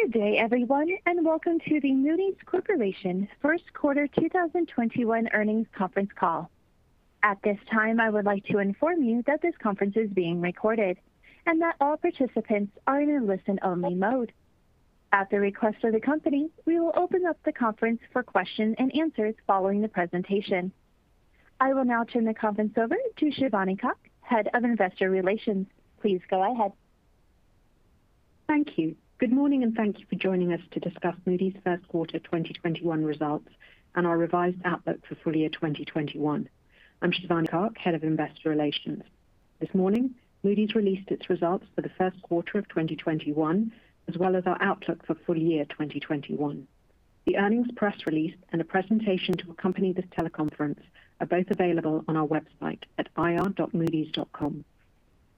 Good day, everyone, and welcome to the Moody's Corporation First Quarter 2021 Earnings Conference Call. At this time, I would like to inform you that this conference is being recorded and that all participants are in a listen-only mode. At the request of the company, we will open up the conference for questions and answers following the presentation. I will now turn the conference over to Shivani Kak, Head of Investor Relations. Please go ahead. Thank you. Good morning, and thank you for joining us to discuss Moody's first quarter 2021 results and our revised outlook for full year 2021. I'm Shivani Kak, Head of Investor Relations. This morning, Moody's released its results for the first quarter of 2021, as well as our outlook for full year 2021. The earnings press release and a presentation to accompany this teleconference are both available on our website at ir.moodys.com.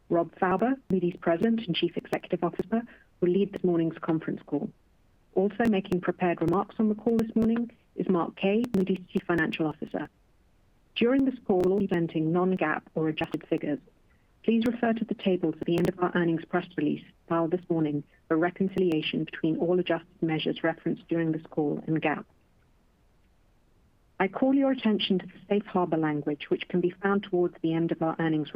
Rob Fauber, Moody's President and Chief Executive Officer, will lead this morning's conference call. Also making prepared remarks on the call this morning is Mark Kaye, Moody's Chief Financial Officer. During this call, we'll be presenting non-GAAP or adjusted figures. Please refer to the tables at the end of our earnings press release filed this morning for reconciliation between all adjusted measures referenced during this call and GAAP. I call your attention to the safe harbor language, which can be found towards the end of our earnings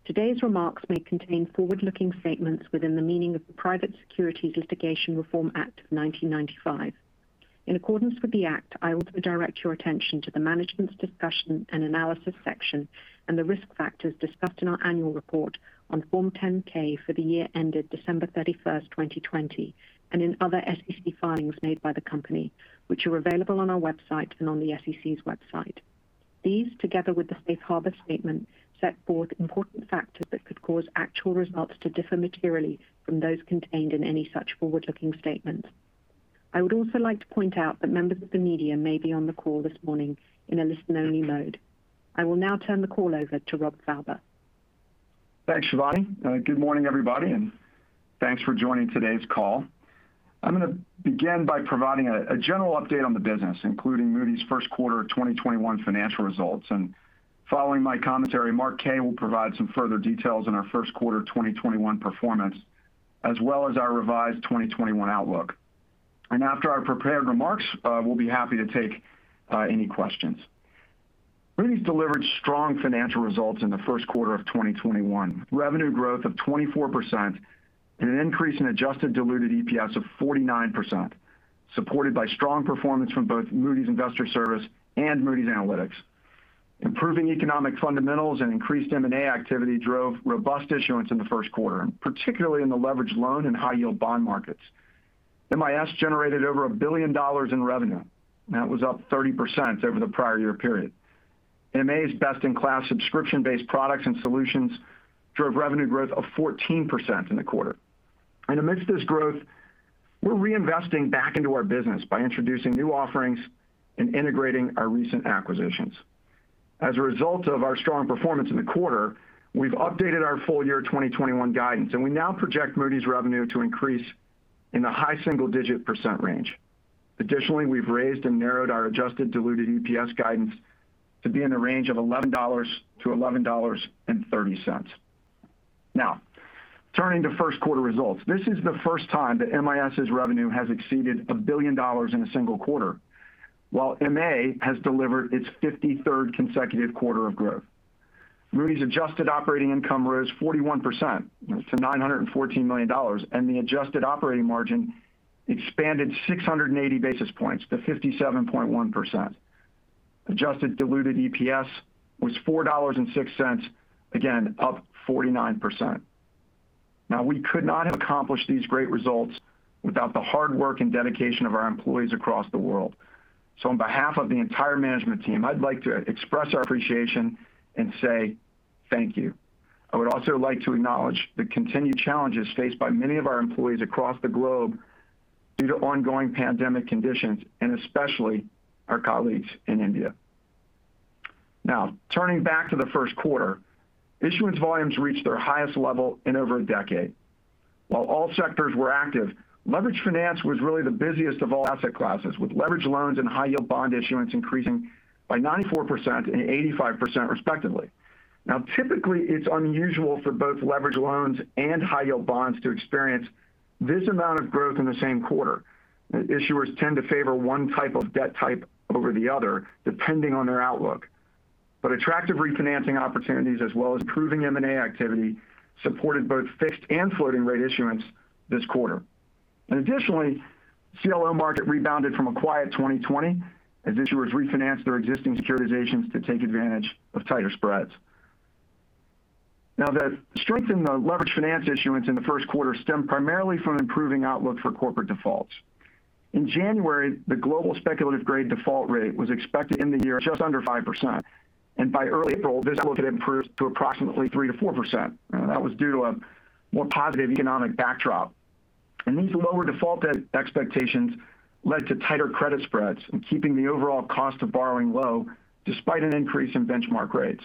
release. Today's remarks may contain forward-looking statements within the meaning of the Private Securities Litigation Reform Act of 1995. In accordance with the act, I also direct your attention to the Management's Discussion and Analysis section and the risk factors discussed in our annual report on Form 10-K for the year ended December 31st, 2020, and in other SEC filings made by the company, which are available on our website and on the SEC's website. These, together with the safe harbor statement, set forth important factors that could cause actual results to differ materially from those contained in any such forward-looking statements. I would also like to point out that members of the media may be on the call this morning in a listen-only mode. I will now turn the call over to Rob Fauber. Thanks, Shivani. Good morning, everybody, and thanks for joining today's call. I'm going to begin by providing a general update on the business, including Moody's first quarter 2021 financial results. Following my commentary, Mark Kaye will provide some further details on our first quarter 2021 performance, as well as our revised 2021 outlook. After our prepared remarks, we'll be happy to take any questions. Moody's delivered strong financial results in the first quarter of 2021. Revenue growth of 24% and an increase in adjusted diluted EPS of 49%, supported by strong performance from both Moody's Investors Service and Moody's Analytics. Improving economic fundamentals and increased M&A activity drove robust issuance in the first quarter, and particularly in the leveraged loan and high yield bond markets. MIS generated over $1 billion in revenue, and that was up 30% over the prior year period. MA's best-in-class subscription-based products and solutions drove revenue growth of 14% in the quarter. Amidst this growth, we're reinvesting back into our business by introducing new offerings and integrating our recent acquisitions. As a result of our strong performance in the quarter, we've updated our full year 2021 guidance, and we now project Moody's revenue to increase in the high single-digit % range. Additionally, we've raised and narrowed our adjusted diluted EPS guidance to be in the range of $11-$11.30. Turning to first quarter results. This is the first time that MIS' revenue has exceeded $1 billion in a single quarter, while MA has delivered its 53rd consecutive quarter of growth. Moody's adjusted operating income rose 41% to $914 million, and the adjusted operating margin expanded 680 basis points to 57.1%. Adjusted diluted EPS was $4.06, again, up 49%. We could not have accomplished these great results without the hard work and dedication of our employees across the world. On behalf of the entire management team, I'd like to express our appreciation and say thank you. I would also like to acknowledge the continued challenges faced by many of our employees across the globe due to ongoing pandemic conditions, and especially our colleagues in India. Turning back to the first quarter, issuance volumes reached their highest level in over a decade. While all sectors were active, leveraged finance was really the busiest of all asset classes, with leveraged loans and high yield bond issuance increasing by 94% and 85% respectively. Typically, it's unusual for both leveraged loans and high yield bonds to experience this amount of growth in the same quarter. Issuers tend to favor one type of debt type over the other, depending on their outlook. Attractive refinancing opportunities as well as improving M&A activity supported both fixed and floating rate issuance this quarter. Additionally, CLO market rebounded from a quiet 2020 as issuers refinanced their existing securitizations to take advantage of tighter spreads. The strength in the leveraged finance issuance in the first quarter stemmed primarily from improving outlook for corporate defaults. In January, the global speculative-grade default rate was expected in the year at just under 5%, and by early April, this outlook had improved to approximately 3%-4%. That was due to a more positive economic backdrop. These lower default expectations led to tighter credit spreads and keeping the overall cost of borrowing low despite an increase in benchmark rates.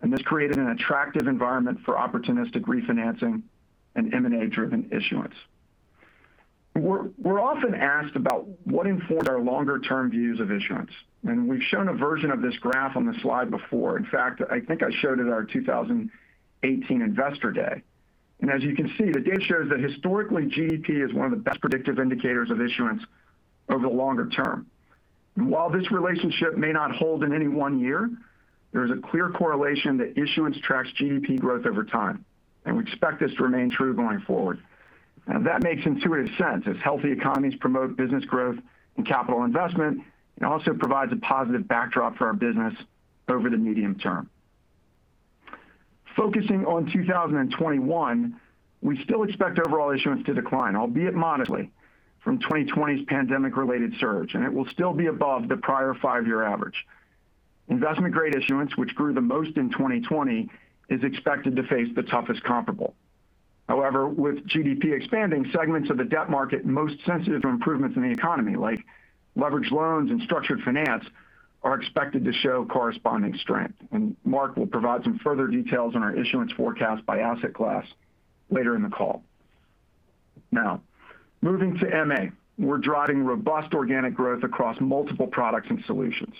This created an attractive environment for opportunistic refinancing and M&A-driven issuance. We're often asked about what informed our longer-term views of issuance, we've shown a version of this graph on the slide before. In fact, I think I showed it at our 2018 Investor Day. As you can see, the data shows that historically, GDP is one of the best predictive indicators of issuance over the longer term. While this relationship may not hold in any one year, there is a clear correlation that issuance tracks GDP growth over time, we expect this to remain true going forward. That makes intuitive sense, as healthy economies promote business growth and capital investment. It also provides a positive backdrop for our business over the medium term. Focusing on 2021, we still expect overall issuance to decline, albeit modestly, from 2020's pandemic-related surge, and it will still be above the prior five-year average. Investment-grade issuance, which grew the most in 2020, is expected to face the toughest comparable. However, with GDP expanding, segments of the debt market most sensitive to improvements in the economy, like leveraged loans and structured finance, are expected to show corresponding strength. Mark will provide some further details on our issuance forecast by asset class later in the call. Now, moving to MA. We're driving robust organic growth across multiple products and solutions.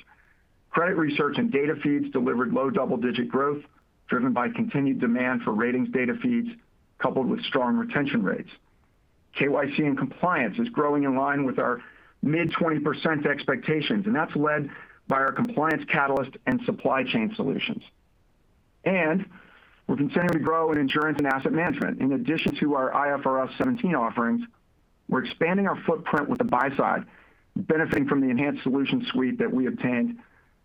Credit research and data feeds delivered low double-digit growth, driven by continued demand for ratings data feeds, coupled with strong retention rates. KYC and compliance is growing in line with our mid-20% expectations, and that's led by our Compliance Catalyst and supply chain solutions. We're continuing to grow in insurance and asset management. In addition to our IFRS 17 offerings, we're expanding our footprint with the buy side, benefiting from the enhanced solution suite that we obtained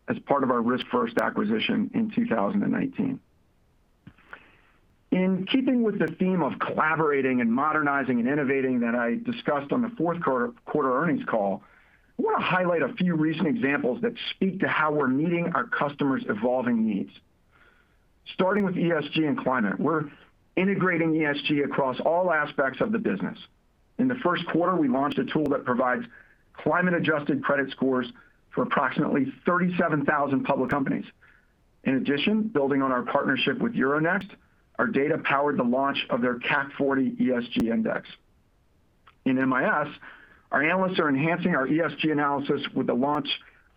as part of our RiskFirst acquisition in 2019. In keeping with the theme of collaborating and modernizing and innovating that I discussed on the fourth quarter earnings call, I want to highlight a few recent examples that speak to how we're meeting our customers' evolving needs. Starting with ESG and climate. We're integrating ESG across all aspects of the business. In the first quarter, we launched a tool that provides climate-adjusted credit scores for approximately 37,000 public companies. In addition, building on our partnership with Euronext, our data powered the launch of their CAC 40 ESG Index. In MIS, our analysts are enhancing our ESG analysis with the launch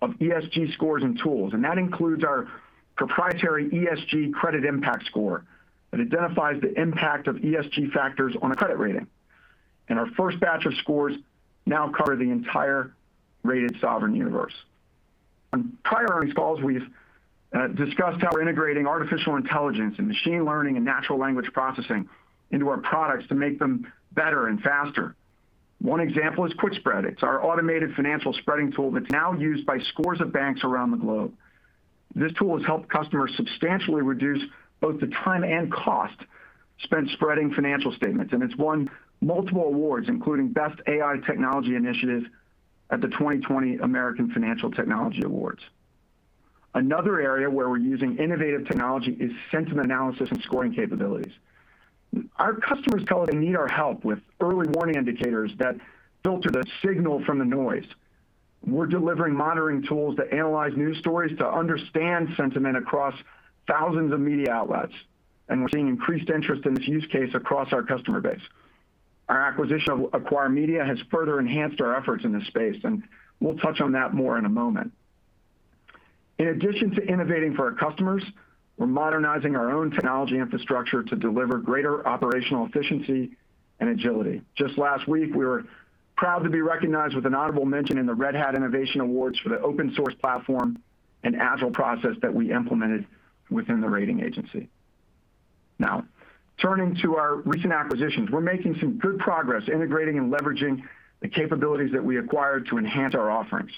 of ESG scores and tools. That includes our proprietary ESG credit impact score that identifies the impact of ESG factors on a credit rating. Our first batch of scores now cover the entire rated sovereign universe. On prior earnings calls, we've discussed how we're integrating artificial intelligence and machine learning and natural language processing into our products to make them better and faster. One example is QUIQspread. It's our automated financial spreading tool that's now used by scores of banks around the globe. This tool has helped customers substantially reduce both the time and cost spent spreading financial statements, and it's won multiple awards, including Best AI Technology Initiative at the 2020 American Financial Technology Awards. Another area where we're using innovative technology is sentiment analysis and scoring capabilities. Our customers tell us they need our help with early warning indicators that filter the signal from the noise. We're delivering monitoring tools that analyze news stories to understand sentiment across thousands of media outlets, and we're seeing increased interest in this use case across our customer base. Our acquisition of Acquire Media has further enhanced our efforts in this space, and we'll touch on that more in a moment. In addition to innovating for our customers, we're modernizing our own technology infrastructure to deliver greater operational efficiency and agility. Just last week, we were proud to be recognized with an honorable mention in the Red Hat Innovation Awards for the open-source platform and agile process that we implemented within the rating agency. Turning to our recent acquisitions. We're making some good progress integrating and leveraging the capabilities that we acquired to enhance our offerings.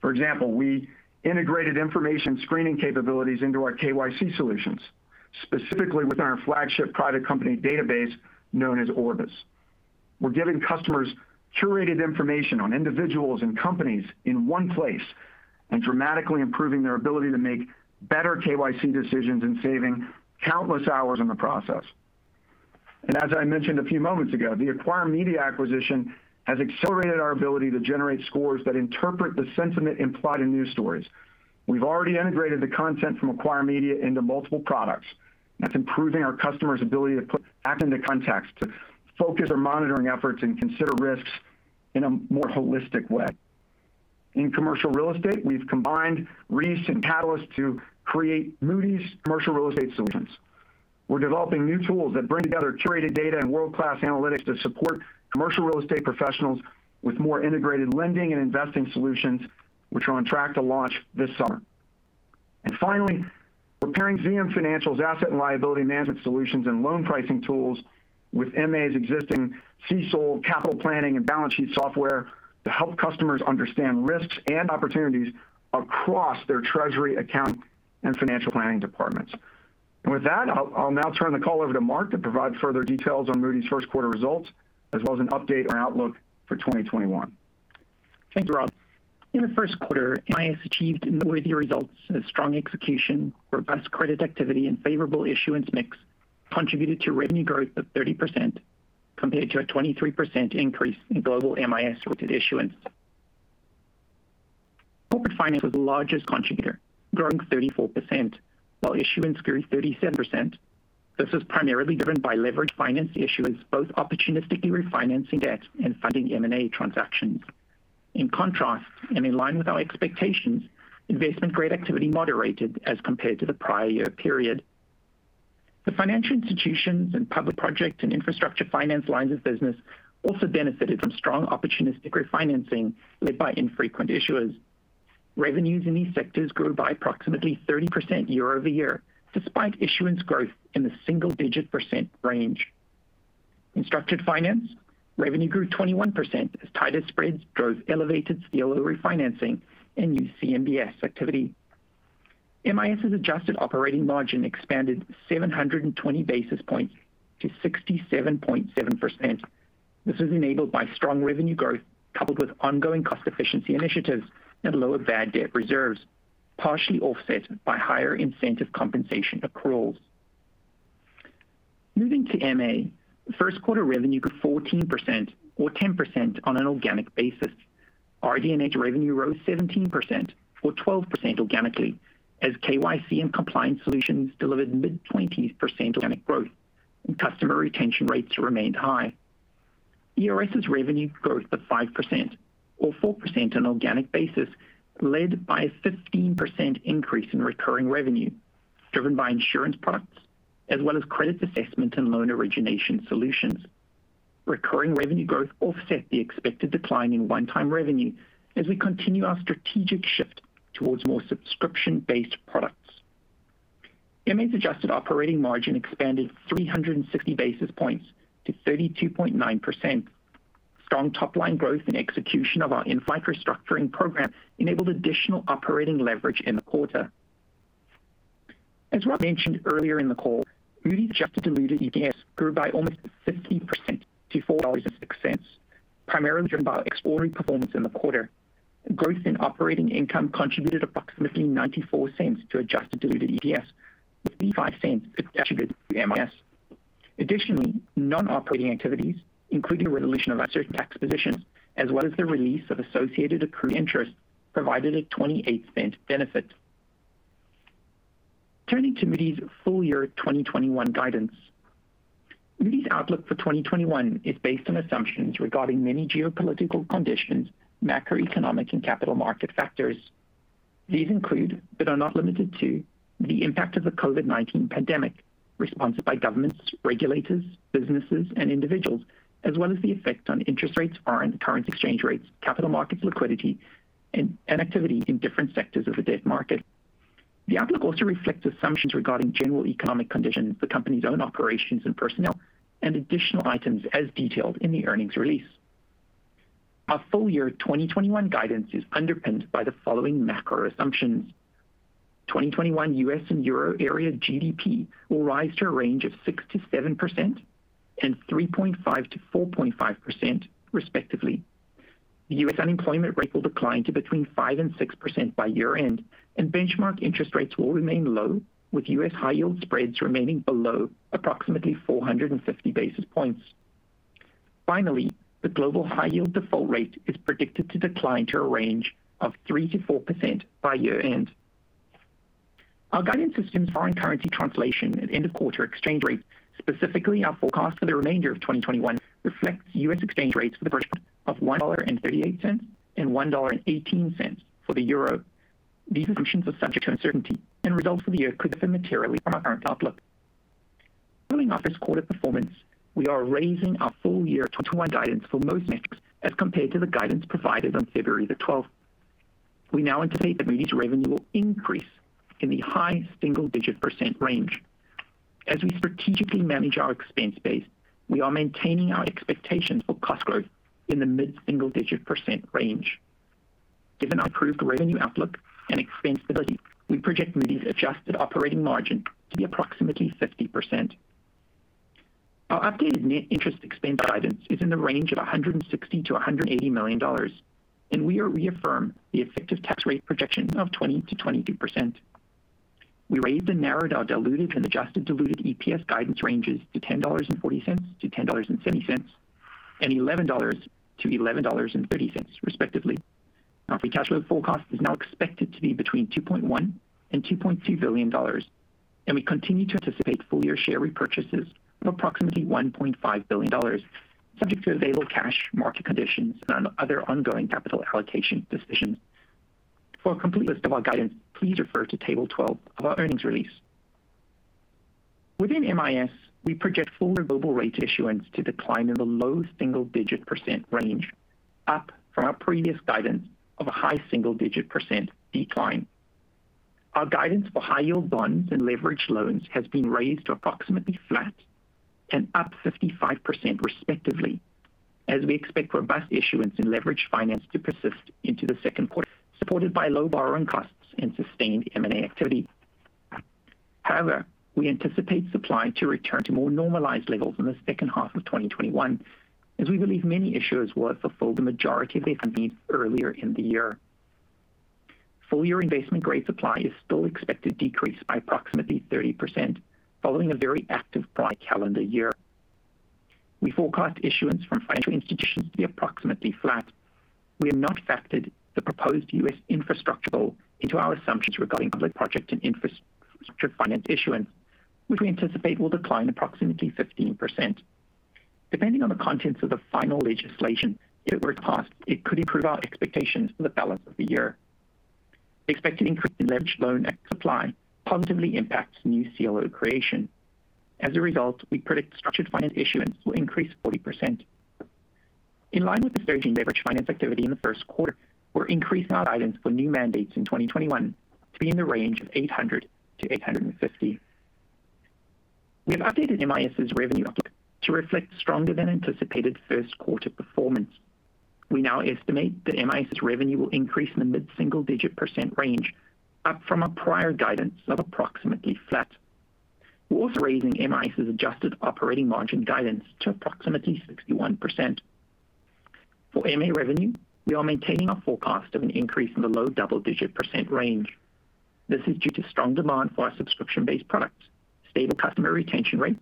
For example, we integrated information screening capabilities into our KYC solutions, specifically with our flagship private company database known as Orbis. We're giving customers curated information on individuals and companies in one place and dramatically improving their ability to make better KYC decisions and saving countless hours in the process. As I mentioned a few moments ago, the Acquire Media acquisition has accelerated our ability to generate scores that interpret the sentiment implied in news stories. We've already integrated the content from Acquire Media into multiple products. That's improving our customers' ability to put facts into context, to focus their monitoring efforts, and consider risks in a more holistic way. In commercial real estate, we've combined Reis and Catylist to create Moody's Commercial Real Estate Solutions. We're developing new tools that bring together curated data and world-class analytics to support commercial real estate professionals with more integrated lending and investing solutions, which are on track to launch this summer. Finally, we're pairing ZM Financial Systems' asset and liability management solutions and loan pricing tools with MA's existing CECL capital planning and balance sheet software to help customers understand risks and opportunities across their treasury account and financial planning departments. With that, I'll now turn the call over to Mark to provide further details on Moody's first quarter results, as well as an update on outlook for 2021. Thanks, Rob. In the first quarter, MIS achieved noteworthy results as strong execution, robust credit activity, and favorable issuance mix contributed to revenue growth of 30%, compared to a 23% increase in global MIS-rated issuance. Finance was the largest contributor, growing 34%, while issuance grew 37%. This was primarily driven by leveraged finance issuers, both opportunistically refinancing debt and funding M&A transactions. In contrast, and in line with our expectations, investment-grade activity moderated as compared to the prior year period. The financial institutions and public projects and infrastructure finance lines of business also benefited from strong opportunistic refinancing led by infrequent issuers. Revenues in these sectors grew by approximately 30% year-over-year, despite issuance growth in the single-digit percent range. In structured finance, revenue grew 21% as tighter spreads drove elevated CLO refinancing and new CMBS activity. MIS's adjusted operating margin expanded 720 basis points to 67.7%. This was enabled by strong revenue growth, coupled with ongoing cost efficiency initiatives and lower bad debt reserves, partially offset by higher incentive compensation accruals. Moving to MA, first quarter revenue grew 14%, or 10% on an organic basis. RD&A revenue rose 17%, or 12% organically, as KYC and compliance solutions delivered mid-20%s organic growth, and customer retention rates remained high. ERS's revenue growth of 5%, or 4% on an organic basis, led by a 15% increase in recurring revenue, driven by insurance products as well as credit assessment and loan origination solutions. Recurring revenue growth offset the expected decline in one-time revenue as we continue our strategic shift towards more subscription-based products. MA's adjusted operating margin expanded 360 basis points to 32.9%. Strong top-line growth and execution of our in-flight restructuring program enabled additional operating leverage in the quarter. As Rob mentioned earlier in the call, Moody's adjusted diluted EPS grew by almost 50% to $4.06, primarily driven by extraordinary performance in the quarter. Growth in operating income contributed approximately $0.94 to adjusted diluted EPS, with $0.85 attributed to MIS. Additionally, non-operating activities, including the resolution of our certain tax positions, as well as the release of associated accrued interest, provided a $0.28 benefit. Turning to Moody's full year 2021 guidance. Moody's outlook for 2021 is based on assumptions regarding many geopolitical conditions, macroeconomic and capital market factors. These include, but are not limited to, the impact of the COVID-19 pandemic, responses by governments, regulators, businesses, and individuals, as well as the effect on interest rates, foreign currency exchange rates, capital markets liquidity, and activity in different sectors of the debt market. The outlook also reflects assumptions regarding general economic conditions, the company's own operations and personnel, and additional items as detailed in the earnings release. Our full year 2021 guidance is underpinned by the following macro assumptions. 2021 U.S. and Euro area GDP will rise to a range of 6%-7% and 3.5%-4.5%, respectively. The U.S. unemployment rate will decline to between 5% and 6% by year end, and benchmark interest rates will remain low, with U.S. high yield spreads remaining below approximately 450 basis points. Finally, the global high yield default rate is predicted to decline to a range of 3%-4% by year end. Our guidance assumes foreign currency translation at end of quarter exchange rates. Specifically, our forecast for the remainder of 2021 reflects U.S. exchange rates for the British pound of $1.38 and $1.18 for the euro. These assumptions are subject to uncertainty, and results for the year could differ materially from our current outlook. Building off this quarter's performance, we are raising our full year 2021 guidance for most metrics as compared to the guidance provided on February the 12th. We now anticipate that Moody's revenue will increase in the high single-digit percent range. As we strategically manage our expense base, we are maintaining our expectations for cost growth in the mid-single-digit percent range. Given our improved revenue outlook and expense stability, we project Moody's adjusted operating margin to be approximately 50%. Our updated net interest expense guidance is in the range of $160 million-$180 million, and we reaffirm the effective tax rate projection of 20%-22%. We raised and narrowed our diluted and adjusted diluted EPS guidance ranges to $10.40-$10.70, and $11-$11.30, respectively. Our free cash flow forecast is now expected to be between $2.1 billion and $2.2 billion. We continue to anticipate full year share repurchases of approximately $1.5 billion, subject to available cash, market conditions, and other ongoing capital allocation decisions. For a complete list of our guidance, please refer to Table 12 of our earnings release. Within MIS, we project full year global rate issuance to decline in the low single-digit percent range, up from our previous guidance of a high single-digit percent decline. Our guidance for high yield bonds and leveraged loans has been raised to approximately flat and up 55%, respectively. We expect robust issuance in leveraged finance to persist into the second quarter, supported by low borrowing costs and sustained M&A activity. However, we anticipate supply to return to more normalized levels in the second half of 2021, as we believe many issuers will have fulfilled the majority of their funding needs earlier in the year. Full year investment grade supply is still expected to decrease by approximately 30%, following a very active prior calendar year. We forecast issuance from financial institutions to be approximately flat. We have not factored the proposed U.S. infrastructure into our assumptions regarding Public, Project and Infrastructure Finance issuance, which we anticipate will decline approximately 15%. Depending on the contents of the final legislation, if it were to pass, it could improve our expectations for the balance of the year. Expected increase in leveraged loan supply positively impacts new CLO creation. As a result, we predict structured finance issuance will increase 40%. In line with the surge in leveraged finance activity in the first quarter, we're increasing our guidance for new mandates in 2021 to be in the range of 800-850. We have updated MIS's revenue outlook to reflect stronger than anticipated first quarter performance. We now estimate that MIS's revenue will increase in the mid-single digit percent range, up from a prior guidance of approximately flat. We're also raising MIS's adjusted operating margin guidance to approximately 61%. For MA revenue, we are maintaining our forecast of an increase in the low double-digit percent range. This is due to strong demand for our subscription-based products, stable customer retention rate,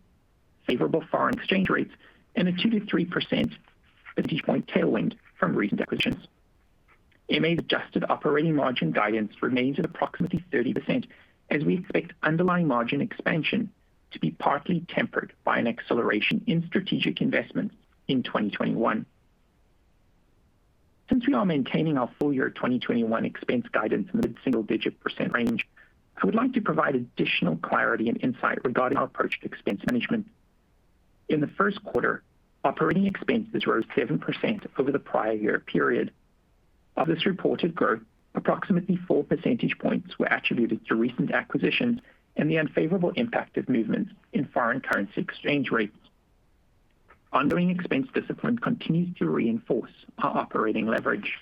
favorable foreign exchange rates, and a 2%-3% percentage point tailwind from recent acquisitions. MA's adjusted operating margin guidance remains at approximately 30%, as we expect underlying margin expansion to be partly tempered by an acceleration in strategic investments in 2021. Since we are maintaining our full year 2021 expense guidance in the mid-single digit percent range, I would like to provide additional clarity and insight regarding our approach to expense management. In the first quarter, operating expenses rose 7% over the prior year period. Of this reported growth, approximately 4 percentage points were attributed to recent acquisitions and the unfavorable impact of movements in foreign currency exchange rates. Ongoing expense discipline continues to reinforce our operating leverage.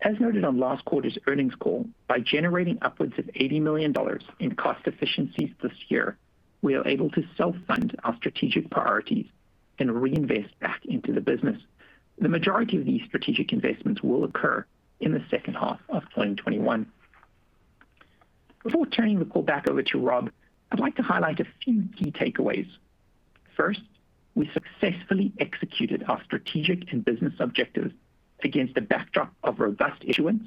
As noted on last quarter's earnings call, by generating upwards of $80 million in cost efficiencies this year, we are able to self-fund our strategic priorities and reinvest back into the business. The majority of these strategic investments will occur in the second half of 2021. Before turning the call back over to Rob, I'd like to highlight a few key takeaways. First, we successfully executed our strategic and business objectives against a backdrop of robust issuance,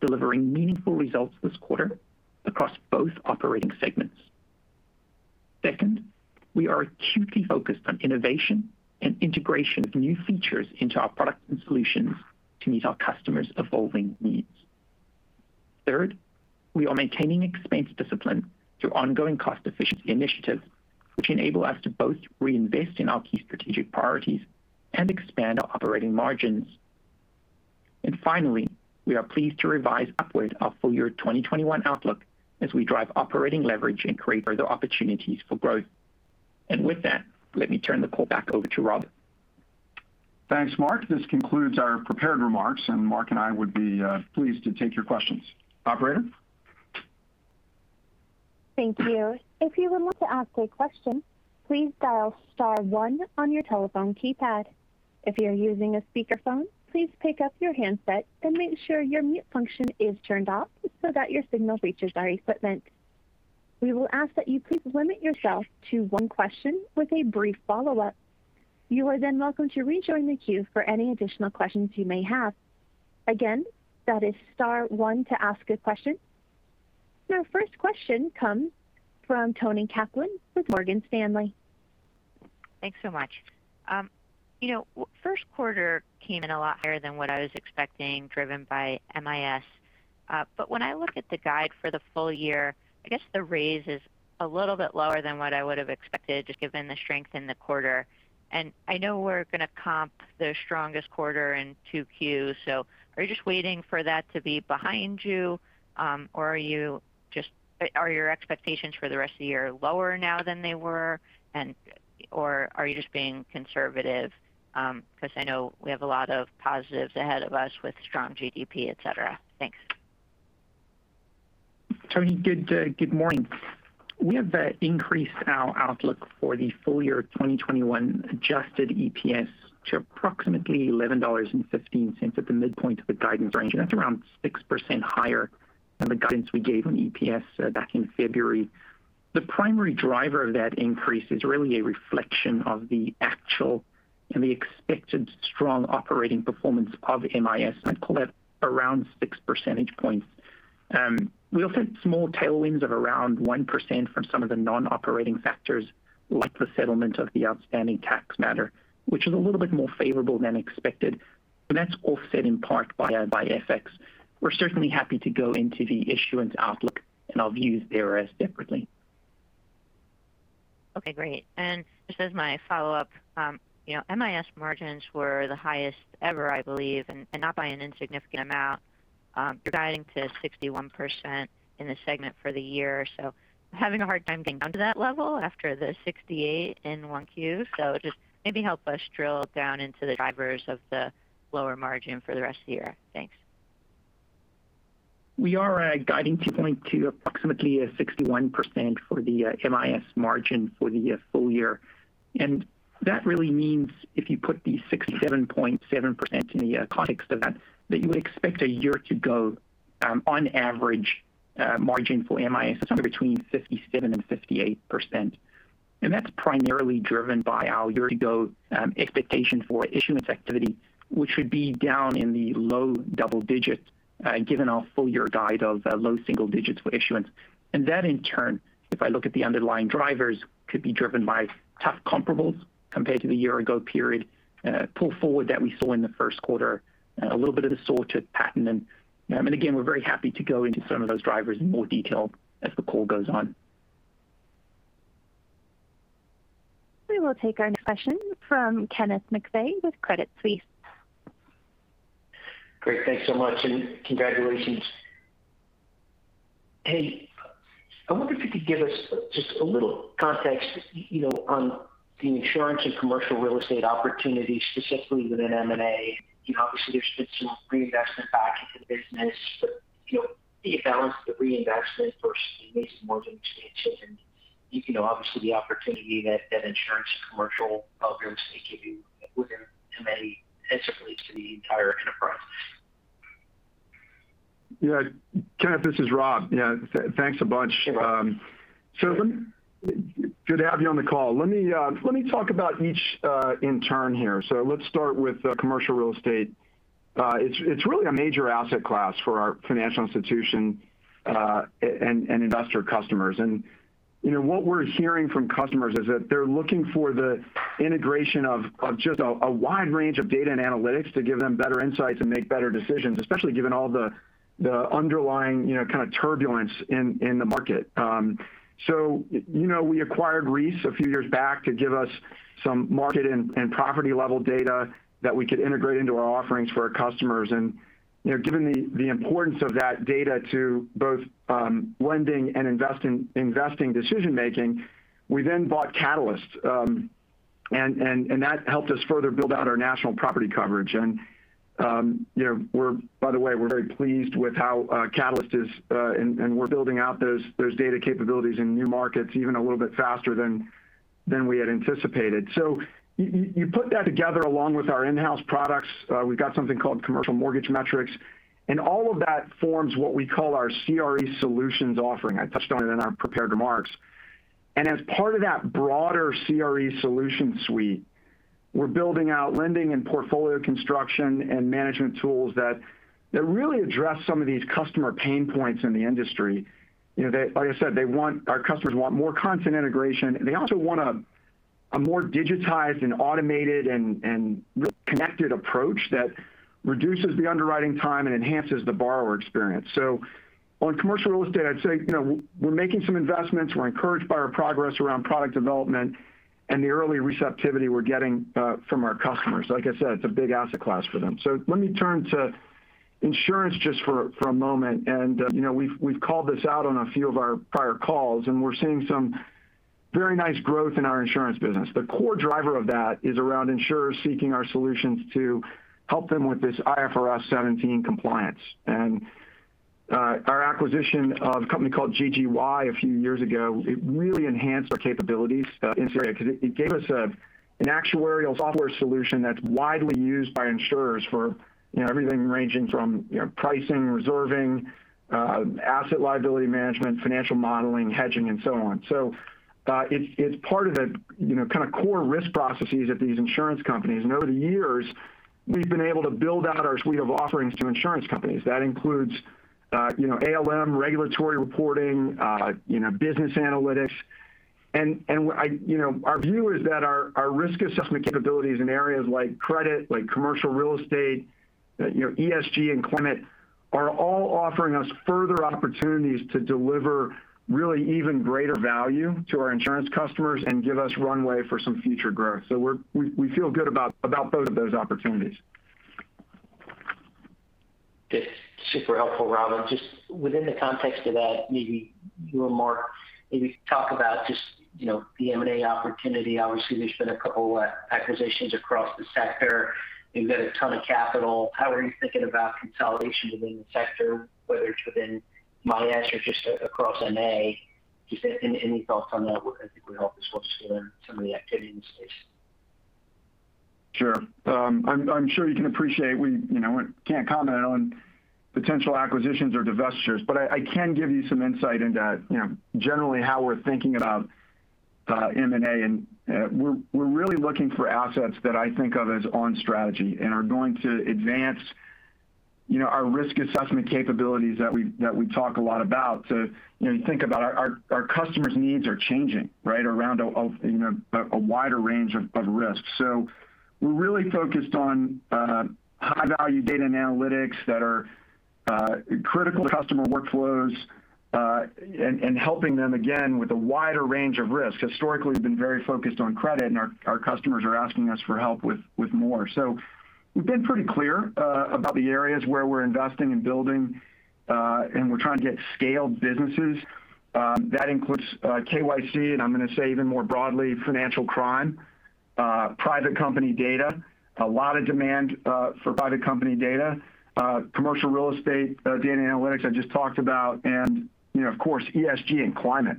delivering meaningful results this quarter across both operating segments. Second, we are acutely focused on innovation and integration of new features into our products and solutions to meet our customers' evolving needs. Third, we are maintaining expense discipline through ongoing cost efficiency initiatives, which enable us to both reinvest in our key strategic priorities and expand our operating margins. Finally, we are pleased to revise upward our full year 2021 outlook as we drive operating leverage and create further opportunities for growth. With that, let me turn the call back over to Rob. Thanks, Mark. This concludes our prepared remarks, and Mark and I would be pleased to take your questions. Operator? Thank you. If you would like to ask a question, please dial star one on your telephone keypad. If you're using a speakerphone, please pick up your handset and make sure your mute function is turned off so that your signal reaches our equipment. We will ask that you please limit yourself to one question with a brief follow-up. You are welcome to rejoin the queue for any additional questions you may have. Again, that is star one to ask a question. Your first question comes from Toni Kaplan with Morgan Stanley. Thanks so much. First quarter came in a lot higher than what I was expecting, driven by MIS. When I look at the guide for the full year, I guess the raise is a little bit lower than what I would have expected, just given the strength in the quarter. I know we're going to comp the strongest quarter in 2Q, are you just waiting for that to be behind you? Are your expectations for the rest of the year lower now than they were, or are you just being conservative? I know we have a lot of positives ahead of us with strong GDP, et cetera. Thanks. Toni, good morning. We have increased our outlook for the full year 2021 adjusted EPS to approximately $11.15 at the midpoint of the guidance range, and that's around 6% higher than the guidance we gave on EPS back in February. The primary driver of that increase is really a reflection of the actual and the expected strong operating performance of MIS. I'd call that around six percentage points. We also had small tailwinds of around 1% from some of the non-operating factors like the settlement of the outstanding tax matter, which was a little bit more favorable than expected. That's offset in part by FX. We're certainly happy to go into the issuance outlook and our views there separately. Okay, great. Just as my follow-up. MIS margins were the highest ever, I believe, and not by an insignificant amount. You're guiding to 61% in the segment for the year. Having a hard time getting down to that level after the 68% in 1Q. Just maybe help us drill down into the drivers of the lower margin for the rest of the year. Thanks. We are guiding to approximately 61% for the MIS margin for the full year. That really means if you put the 67.7% in the context of that you would expect a year-to-go average margin for MIS is somewhere between 57%-58%, and that's primarily driven by our year-ago expectation for issuance activity, which would be down in the low double digits, given our full-year guide of low single digits for issuance. That in turn, if I look at the underlying drivers, could be driven by tough comparables compared to the year-ago period pull forward that we saw in the first quarter, a little bit of the sort of pattern. Again, we're very happy to go into some of those drivers in more detail as the call goes on. We will take our next question from Kevin McVeigh with Credit Suisse. Great. Thanks so much. Congratulations. Hey, I wonder if you could give us just a little context on the insurance and commercial real estate opportunities, specifically within M&A. Obviously, there's been some reinvestment back into the business, the balance of the reinvestment versus making mortgage expansions, obviously the opportunity that insurance and commercial programs may give you within M&A and simply to the entire enterprise. Yeah. Kev, this is Rob. Yeah, thanks a bunch. Sure. Good to have you on the call. Let me talk about each in turn here. Let's start with commercial real estate. It's really a major asset class for our financial institution and investor customers. What we're hearing from customers is that they're looking for the integration of just a wide range of data and analytics to give them better insights and make better decisions, especially given all the underlying kind of turbulence in the market. We acquired Reis a few years back to give us some market and property-level data that we could integrate into our offerings for our customers. Given the importance of that data to both lending and investing decision-making, we then bought Catylist, and that helped us further build out our national property coverage. By the way, we're very pleased with how Catylist is, and we're building out those data capabilities in new markets even a little bit faster than we had anticipated. You put that together along with our in-house products. We've got something called Commercial Mortgage Metrics, and all of that forms what we call our CRE Solutions offering. I touched on it in our prepared remarks. As part of that broader CRE Solutions suite, we're building out lending and portfolio construction and management tools that really address some of these customer pain points in the industry. Like I said, our customers want more content integration. They also want a more digitized and automated and really connected approach that reduces the underwriting time and enhances the borrower experience. On commercial real estate, I'd say we're making some investments. We're encouraged by our progress around product development and the early receptivity we're getting from our customers. Like I said, it's a big asset class for them. Let me turn to insurance just for a moment. We've called this out on a few of our prior calls, and we're seeing some very nice growth in our insurance business. The core driver of that is around insurers seeking our solutions to help them with this IFRS 17 compliance. Our acquisition of a company called GGY a few years ago, it really enhanced our capabilities in this area because it gave us an actuarial software solution that's widely used by insurers for everything ranging from pricing, reserving, asset liability management, financial modeling, hedging, and so on. It's part of the kind of core risk processes at these insurance companies. Over the years, we've been able to build out our suite of offerings to insurance companies. That includes ALM, regulatory reporting, business analytics. Our view is that our risk assessment capabilities in areas like credit, like commercial real estate, ESG and climate are all offering us further opportunities to deliver really even greater value to our insurance customers and give us runway for some future growth. We feel good about both of those opportunities. Super helpful, Rob. Within the context of that, maybe you or Mark, maybe talk about just the M&A opportunity. There's been a couple acquisitions across the sector. You've got a ton of capital. How are you thinking about consolidation within the sector, whether it's within MIS or just across M&A? Any thoughts on that would, I think, would help us understand some of the activity in the space. Sure. I'm sure you can appreciate we can't comment on potential acquisitions or divestitures. I can give you some insight into generally how we're thinking about M&A. We're really looking for assets that I think of as on strategy and are going to advance our risk assessment capabilities that we talk a lot about to think about our customers' needs are changing around a wider range of risks. We're really focused on high-value data and analytics that are critical to customer workflows, helping them again with a wider range of risks. Historically, we've been very focused on credit. Our customers are asking us for help with more. We've been pretty clear about the areas where we're investing and building. We're trying to get scaled businesses. That includes KYC, and I'm going to say even more broadly, financial crime, private company data, a lot of demand for private company data commercial real estate data and analytics I just talked about, and of course, ESG and climate.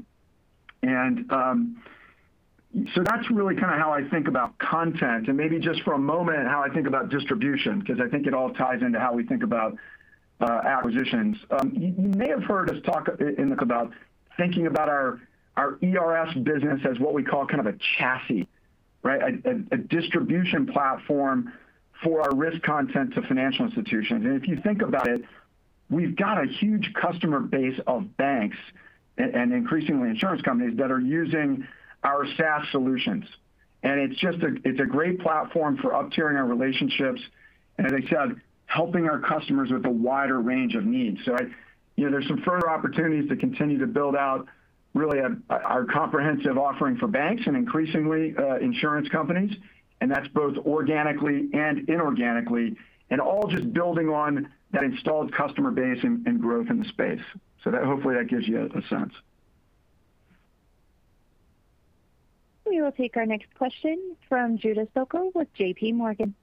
That's really how I think about content, and maybe just for a moment, how I think about distribution, because I think it all ties into how we think about acquisitions. You may have heard us talk thinking about our ERS business as what we call a chassis, right? A distribution platform for our risk content to financial institutions. If you think about it, we've got a huge customer base of banks and increasingly insurance companies that are using our SaaS solutions. It's a great platform for up-tiering our relationships and, as I said, helping our customers with a wider range of needs. There's some further opportunities to continue to build out really our comprehensive offering for banks and increasingly, insurance companies. That's both organically and inorganically, and all just building on that installed customer base and growth in the space. Hopefully that gives you a sense. We will take our next question from Judah Sokel with JPMorgan.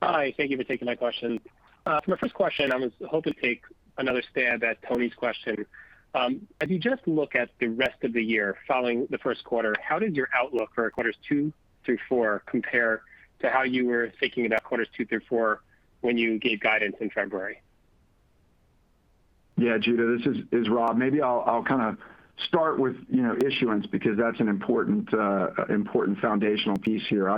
Hi. Thank you for taking my question. For my first question, I was hoping to take another stab at Toni's question. If you just look at the rest of the year following the first quarter, how did your outlook for quarters two through four compare to how you were thinking about quarters two through four when you gave guidance in February? Judah, this is Rob Fauber. Maybe I'll start with issuance, because that's an important foundational piece here.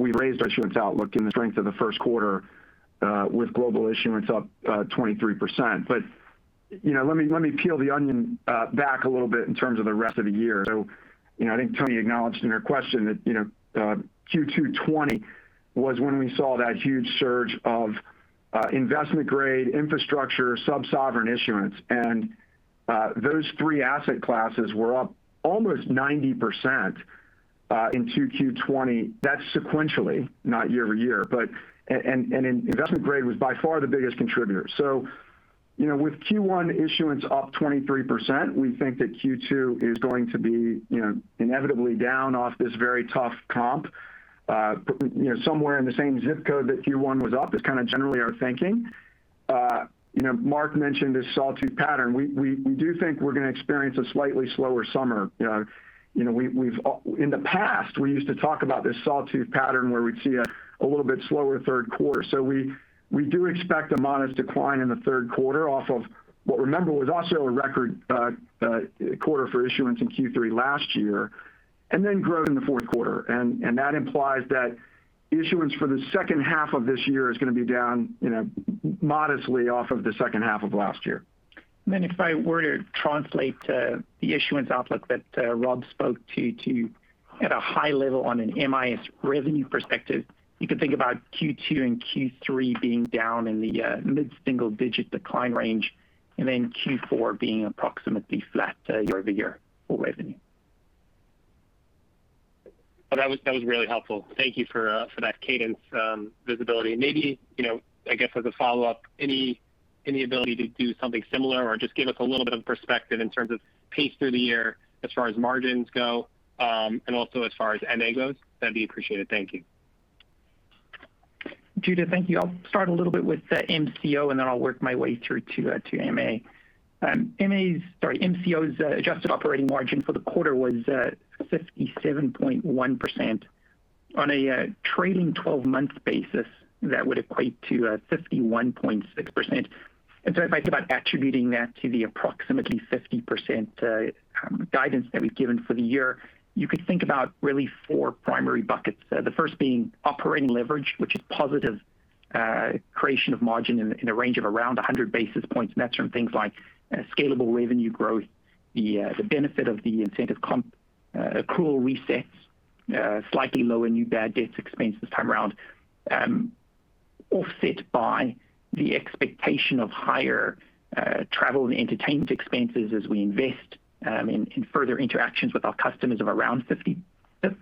We raised our issuance outlook in the strength of the first quarter, with global issuance up 23%. Let me peel the onion back a little bit in terms of the rest of the year. I think Toni acknowledged in her question that Q2 2020 was when we saw that huge surge of investment-grade infrastructure, sub-sovereign issuance. Those three asset classes were up almost 90% into Q2 2020. That's sequentially, not year-over-year. Investment grade was by far the biggest contributor. With Q1 issuance up 23%, we think that Q2 is going to be inevitably down off this very tough comp. Somewhere in the same zip code that Q1 was up is generally our thinking. Mark mentioned this sawtooth pattern. We do think we're going to experience a slightly slower summer. In the past, we used to talk about this sawtooth pattern where we'd see a little bit slower third quarter. We do expect a modest decline in the third quarter off of what, remember, was also a record quarter for issuance in Q3 last year, and then growth in the fourth quarter. That implies that issuance for the second half of this year is going to be down modestly off of the second half of last year. If I were to translate the issuance outlook that Rob spoke to at a high level on an MIS revenue perspective, you could think about Q2 and Q3 being down in the mid-single digit decline range, and then Q4 being approximately flat year-over-year for revenue. That was really helpful. Thank you for that cadence visibility. Maybe, I guess as a follow-up, any ability to do something similar or just give us a little bit of perspective in terms of pace through the year as far as margins go, and also as far as MA goes? That'd be appreciated. Thank you. Judah, thank you. I'll start a little bit with MCO, and then I'll work my way through to MA. MCO's adjusted operating margin for the quarter was 57.1%. On a trailing 12-month basis, that would equate to 51.6%. If I think about attributing that to the approximately 50% guidance that we've given for the year, you could think about really four primary buckets. The first being operating leverage, which is positive creation of margin in a range of around 100 basis points. That's from things like scalable revenue growth, the benefit of the incentive comp accrual resets, slightly lower new bad debts expense this time around, offset by the expectation of higher travel and entertainment expenses as we invest in further interactions with our customers of around 50 basis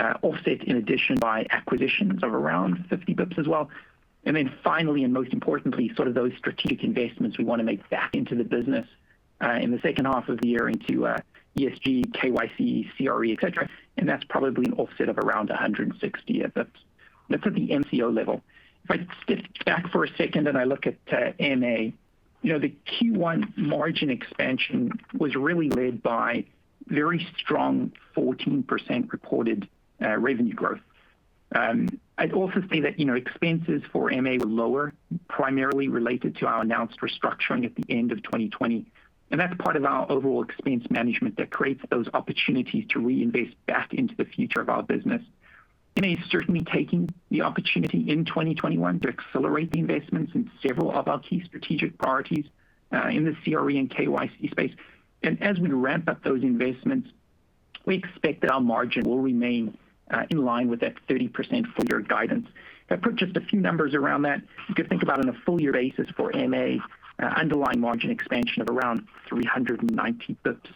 points, offset in addition by acquisitions of around 50 basis points as well. Then finally, and most importantly, sort of those strategic investments we want to make back into the business in the second half of the year into ESG, KYC, CRE, et cetera, that's probably an offset of around 160 basis points. That's at the MCO level. If I step back for a second and I look at MA, the Q1 margin expansion was really led by very strong 14% reported revenue growth. I'd also say that expenses for MA were lower, primarily related to our announced restructuring at the end of 2020. That's part of our overall expense management that creates those opportunities to reinvest back into the future of our business. MA is certainly taking the opportunity in 2021 to accelerate the investments in several of our key strategic priorities in the CRE and KYC space. As we ramp up those investments, we expect that our margin will remain in line with that 30% full year guidance. If I put just a few numbers around that, you could think about on a full year basis for MA, underlying margin expansion of around 390 basis points,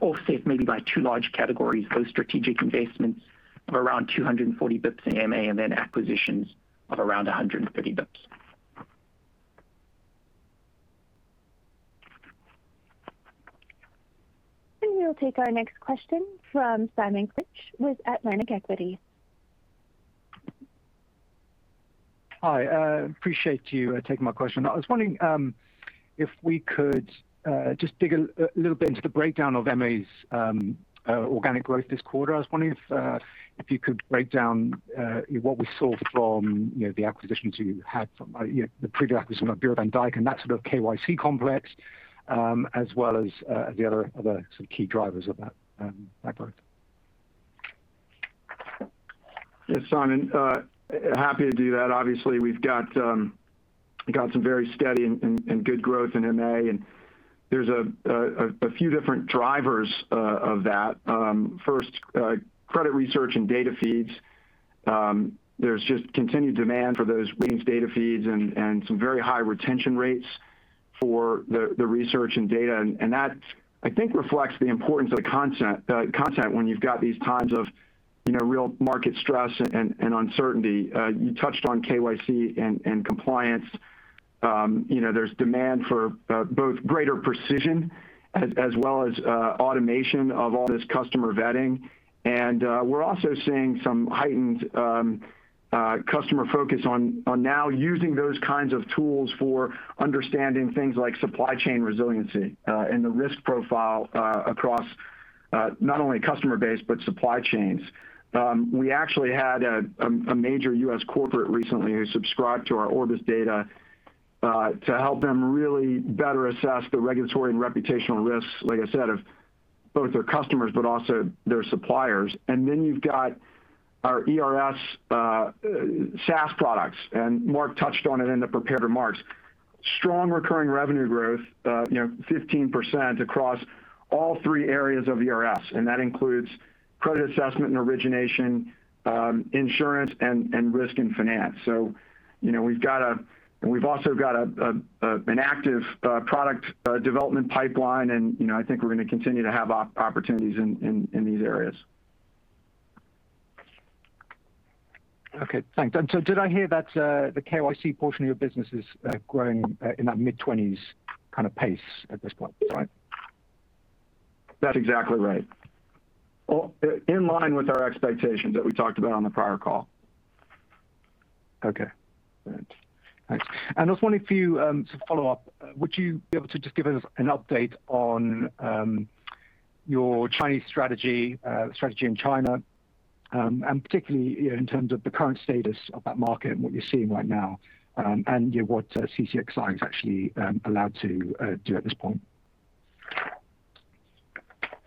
offset maybe by two large categories, those strategic investments of around 240 basis points in MA, and then acquisitions of around 130 basis points. We'll take our next question from Simon Clinch with Atlantic Equities. Hi. Appreciate you taking my question. I was wondering if we could just dig a little bit into the breakdown of MA's organic growth this quarter. I was wondering if you could break down what we saw from the acquisitions you had from the previous acquisition of Bureau van Dijk and that sort of KYC complex, as well as the other sort of key drivers of that growth. Yes, Simon. Happy to do that. Obviously, we've got some very steady and good growth in MA, and there's a few different drivers of that. First, credit research and data feeds. There's just continued demand for those ratings data feeds and some very high retention rates for the research and data. That, I think, reflects the importance of the content when you've got these times of real market stress and uncertainty. You touched on KYC and compliance. There's demand for both greater precision as well as automation of all this customer vetting. We're also seeing some heightened customer focus on now using those kinds of tools for understanding things like supply chain resiliency and the risk profile across not only customer base, but supply chains. We actually had a major U.S. corporate recently who subscribed to our Orbis to help them really better assess the regulatory and reputational risks, like I said, of both their customers, but also their suppliers. You've got our ERS SaaS products, and Mark touched on it in the prepared remarks. Strong recurring revenue growth 15% across all three areas of ERS, and that includes credit assessment and origination, insurance, and risk and finance. We've also got an active product development pipeline, and I think we're going to continue to have opportunities in these areas. Okay, thanks. Did I hear that the KYC portion of your business is growing in that mid-20s kind of pace at this point, is that right? That's exactly right. In line with our expectations that we talked about on the prior call. Okay, great. Thanks. I was wondering if you, to follow up, would you be able to just give us an update on your Chinese strategy in China, and particularly in terms of the current status of that market and what you're seeing right now, and what CCXI is actually allowed to do at this point?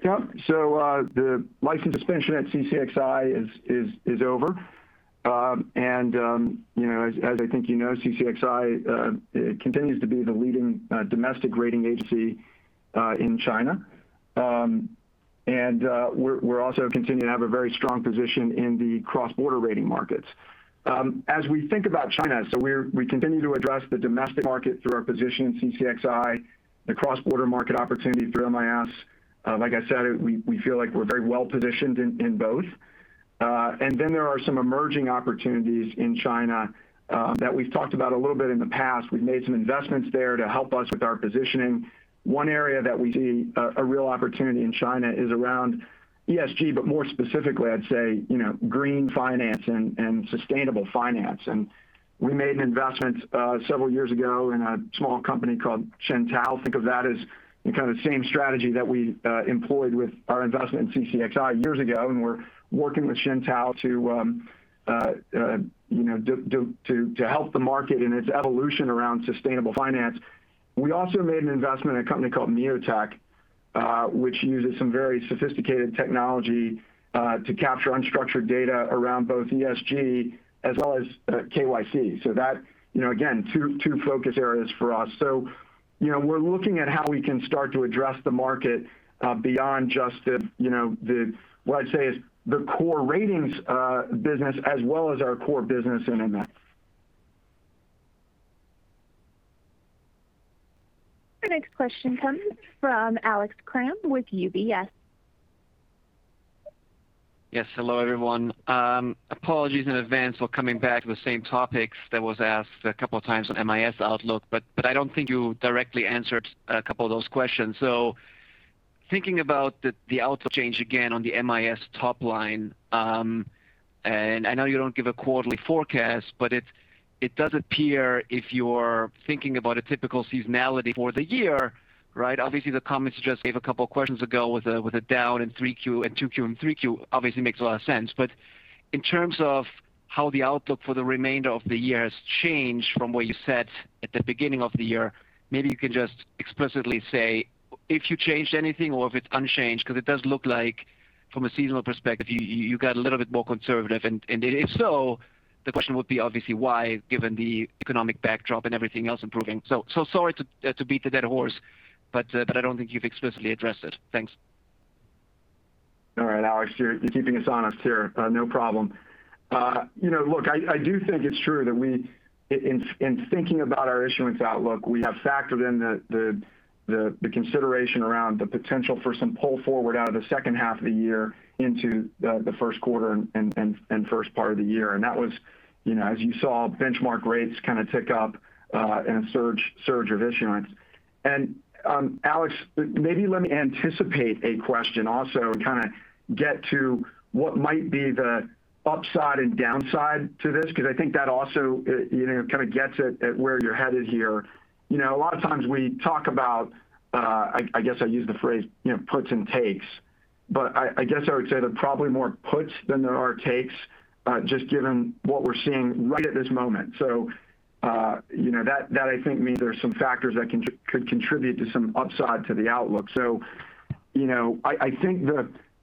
Yeah. The license suspension at CCXI is over. As I think you know, CCXI continues to be the leading domestic rating agency in China. We're also continuing to have a very strong position in the cross-border rating markets. As we think about China, so we continue to address the domestic market through our position in CCXI, the cross-border market opportunity through MIS. Like I said, we feel like we're very well-positioned in both. Then there are some emerging opportunities in China that we've talked about a little bit in the past. We've made some investments there to help us with our positioning. One area that we see a real opportunity in China is around ESG, but more specifically, I'd say green finance and sustainable finance. We made an investment several years ago in a small company called SynTao. Think of that as kind of the same strategy that we employed with our investment in CCXI years ago. We're working with SynTao to help the market in its evolution around sustainable finance. We also made an investment in a company called MioTech which uses some very sophisticated technology to capture unstructured data around both ESG as well as KYC. That, again, two focus areas for us. We're looking at how we can start to address the market beyond just the, what I'd say is the core ratings business as well as our core business in MIS. The next question comes from Alex Kramm with UBS. Yes. Hello, everyone. Apologies in advance for coming back to the same topics that was asked a couple of times on MIS outlook, but I don't think you directly answered a couple of those questions. Thinking about the outlook change again on the MIS top line. I know you don't give a quarterly forecast, but it does appear if you are thinking about a typical seasonality for the year, right? Obviously, the comments you just gave a couple of questions ago with a down in 2Q and 3Q obviously makes a lot of sense. In terms of how the outlook for the remainder of the year has changed from what you said at the beginning of the year, maybe you can just explicitly say if you changed anything or if it's unchanged, because it does look like from a seasonal perspective, you got a little bit more conservative. If so, the question would be obviously why, given the economic backdrop and everything else improving. Sorry to beat the dead horse, but I don't think you've explicitly addressed it. Thanks. All right, Alex, you're keeping us honest here. No problem. Look, I do think it's true that in thinking about our issuance outlook, we have factored in the consideration around the potential for some pull forward out of the second half of the year into the first quarter and first part of the year. That was as you saw benchmark rates kind of tick up and a surge of issuance. Alex, maybe let me anticipate a question also and kind of get to what might be the upside and downside to this because I think that also kind of gets at where you're headed here. A lot of times we talk about I guess I'll use the phrase puts and takes. I guess I would say there are probably more puts than there are takes, just given what we're seeing right at this moment. That I think means there are some factors that could contribute to some upside to the outlook. I think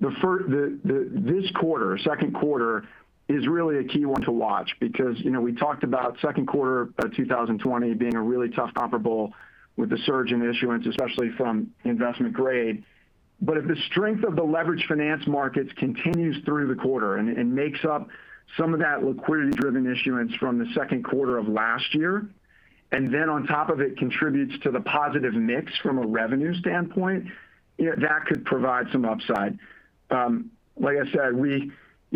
this quarter, second quarter, is really a key one to watch because we talked about second quarter of 2020 being a really tough comparable with the surge in issuance, especially from investment grade. If the strength of the leveraged finance markets continues through the quarter and makes up some of that liquidity-driven issuance from the second quarter of last year, and then on top of it contributes to the positive mix from a revenue standpoint, that could provide some upside. Like I said,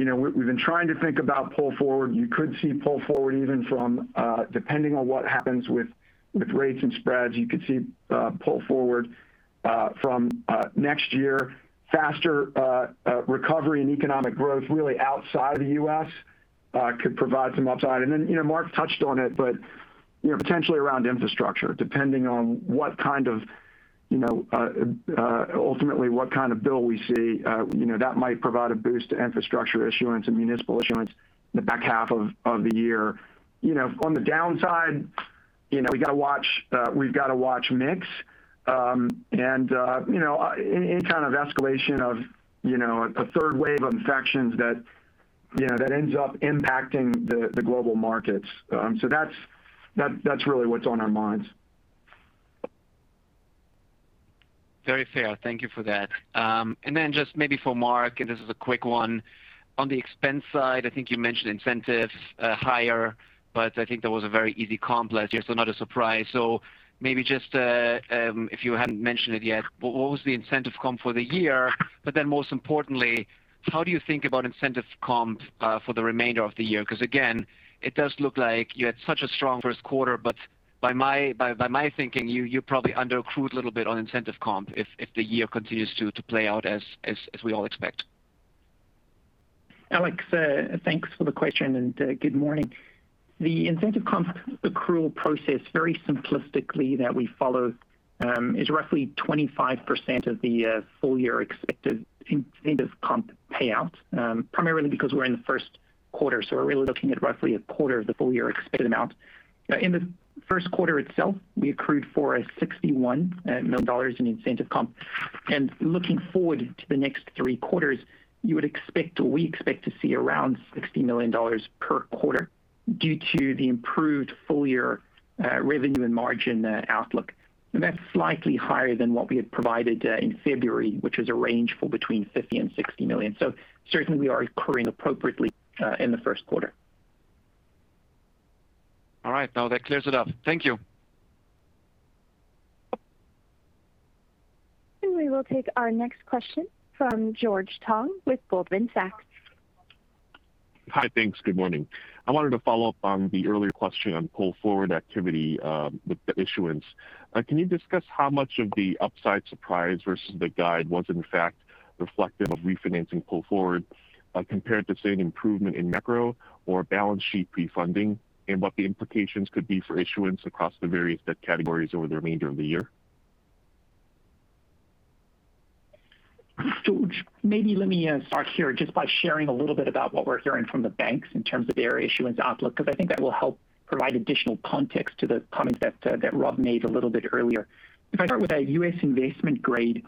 we've been trying to think about pull forward. You could see pull forward even from, depending on what happens with rates and spreads, you could see pull forward from next year. Faster recovery and economic growth really outside the U.S. could provide some upside. Mark touched on it, potentially around infrastructure, depending on ultimately what kind of bill we see, that might provide a boost to infrastructure issuance and municipal issuance in the back half of the year. On the downside, we've got to watch mix. Any kind of escalation of a third wave of infections that ends up impacting the global markets. That's really what's on our minds. Very fair. Thank you for that. Just maybe for Mark, and this is a quick one. On the expense side, I think you mentioned incentives higher, but I think that was a very easy comp last year, so not a surprise. Maybe just if you hadn't mentioned it yet, what was the incentive comp for the year? Most importantly, how do you think about incentive comp for the remainder of the year? Again, it does look like you had such a strong first quarter, but by my thinking, you probably under-accrued a little bit on incentive comp if the year continues to play out as we all expect. Alex, thanks for the question, and good morning. The incentive comp accrual process, very simplistically that we follow is roughly 25% of the full year expected incentive comp payout, primarily because we're in the first quarter, we're really looking at roughly a quarter of the full year expected amount. In the first quarter itself, we accrued for a $61 million in incentive comp. Looking forward to the next three quarters, you would expect or we expect to see around $60 million per quarter due to the improved full year revenue and margin outlook. That's slightly higher than what we had provided in February, which was a range for between $50 million and $60 million. Certainly we are accruing appropriately in the first quarter. All right, now that clears it up. Thank you. We will take our next question from George Tong with Goldman Sachs. Hi, thanks. Good morning. I wanted to follow up on the earlier question on pull forward activity with the issuance. Can you discuss how much of the upside surprise versus the guide was in fact reflective of refinancing pull forward compared to say an improvement in macro or balance sheet prefunding, and what the implications could be for issuance across the various debt categories over the remainder of the year? George, maybe let me start here just by sharing a little bit about what we're hearing from the banks in terms of their issuance outlook because I think that will help provide additional context to the comments that Rob made a little bit earlier. If I start with US investment grade,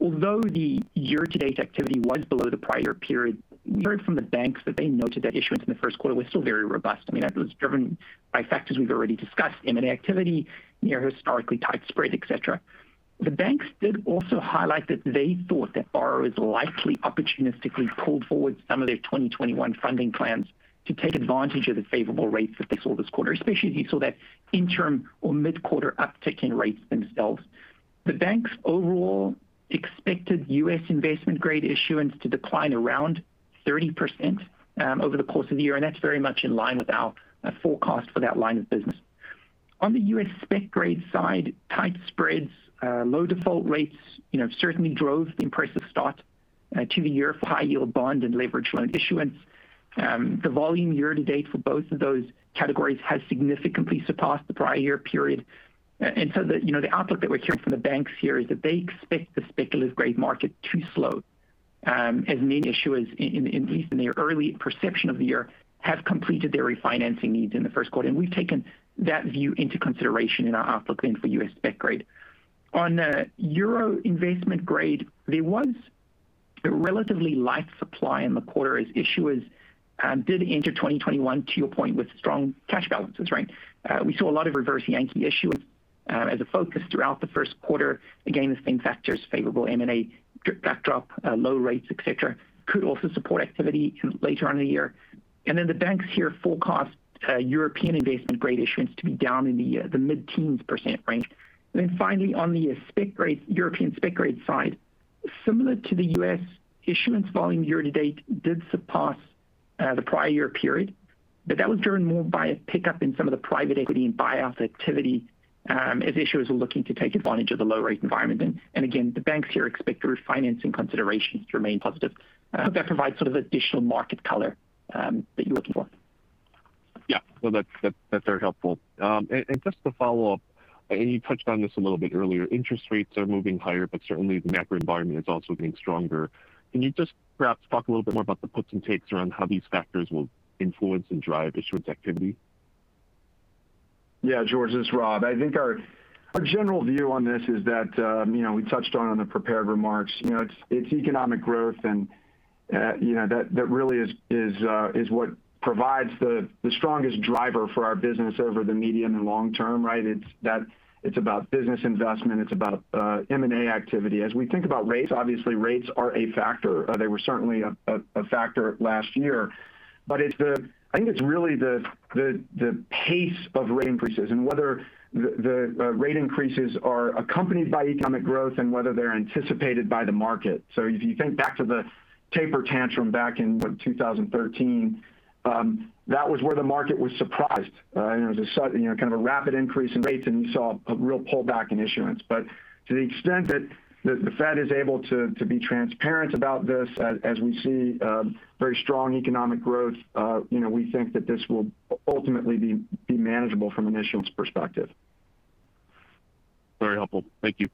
although the year-to-date activity was below the prior period, we heard from the banks that they noted that issuance in the first quarter was still very robust. I mean, that was driven by factors we've already discussed, M&A activity, near historically tight spreads, et cetera. The banks did also highlight that they thought that borrowers likely opportunistically pulled forward some of their 2021 funding plans to take advantage of the favorable rates that they saw this quarter, especially as you saw that interim or mid-quarter uptick in rates themselves. The banks overall expected U.S. investment-grade issuance to decline around 30% over the course of the year. That's very much in line with our forecast for that line of business. On the U.S. spec-grade side, tight spreads, low default rates certainly drove the impressive start to the year for high-yield bond and leveraged loan issuance. The volume year-to-date for both of those categories has significantly surpassed the prior year period. The outlook that we're hearing from the banks here is that they expect the speculative-grade market to slow as many issuers in at least in their early perception of the year have completed their refinancing needs in the first quarter. We've taken that view into consideration in our outlook then for U.S. spec-grade. On EUR investment grade, there was a relatively light supply in the quarter as issuers did enter 2021, to your point, with strong cash balances, right? We saw a lot of reverse Yankee issuance as a focus throughout the first quarter. Again, the same factors, favorable M&A backdrop, low rates, et cetera, could also support activity later on in the year. The banks here forecast European investment grade issuance to be down in the mid-teens percent range. Finally on the European spec grade side, similar to the U.S., issuance volume year to date did surpass the prior year period, but that was driven more by a pickup in some of the private equity and buyout activity as issuers are looking to take advantage of the low rate environment. Again, the banks here expect the refinancing considerations to remain positive. I hope that provides sort of additional market color that you're looking for. Yeah. Well, that's very helpful. Just to follow up, and you touched on this a little bit earlier, interest rates are moving higher, but certainly the macro environment is also getting stronger. Can you just perhaps talk a little bit more about the puts and takes around how these factors will influence and drive issuance activity? Yeah, George, this is Rob. I think our general view on this is that, we touched on it in the prepared remarks. It's economic growth. That really is what provides the strongest driver for our business over the medium and long term, right? It's about business investment. It's about M&A activity. As we think about rates, obviously rates are a factor. They were certainly a factor last year. I think it's really the pace of rate increases and whether the rate increases are accompanied by economic growth and whether they're anticipated by the market. If you think back to the taper tantrum back in 2013, that was where the market was surprised. It was a sudden, kind of a rapid increase in rates, and we saw a real pullback in issuance. To the extent that the Fed is able to be transparent about this, as we see very strong economic growth, we think that this will ultimately be manageable from an issuance perspective. Very helpful. Thank you.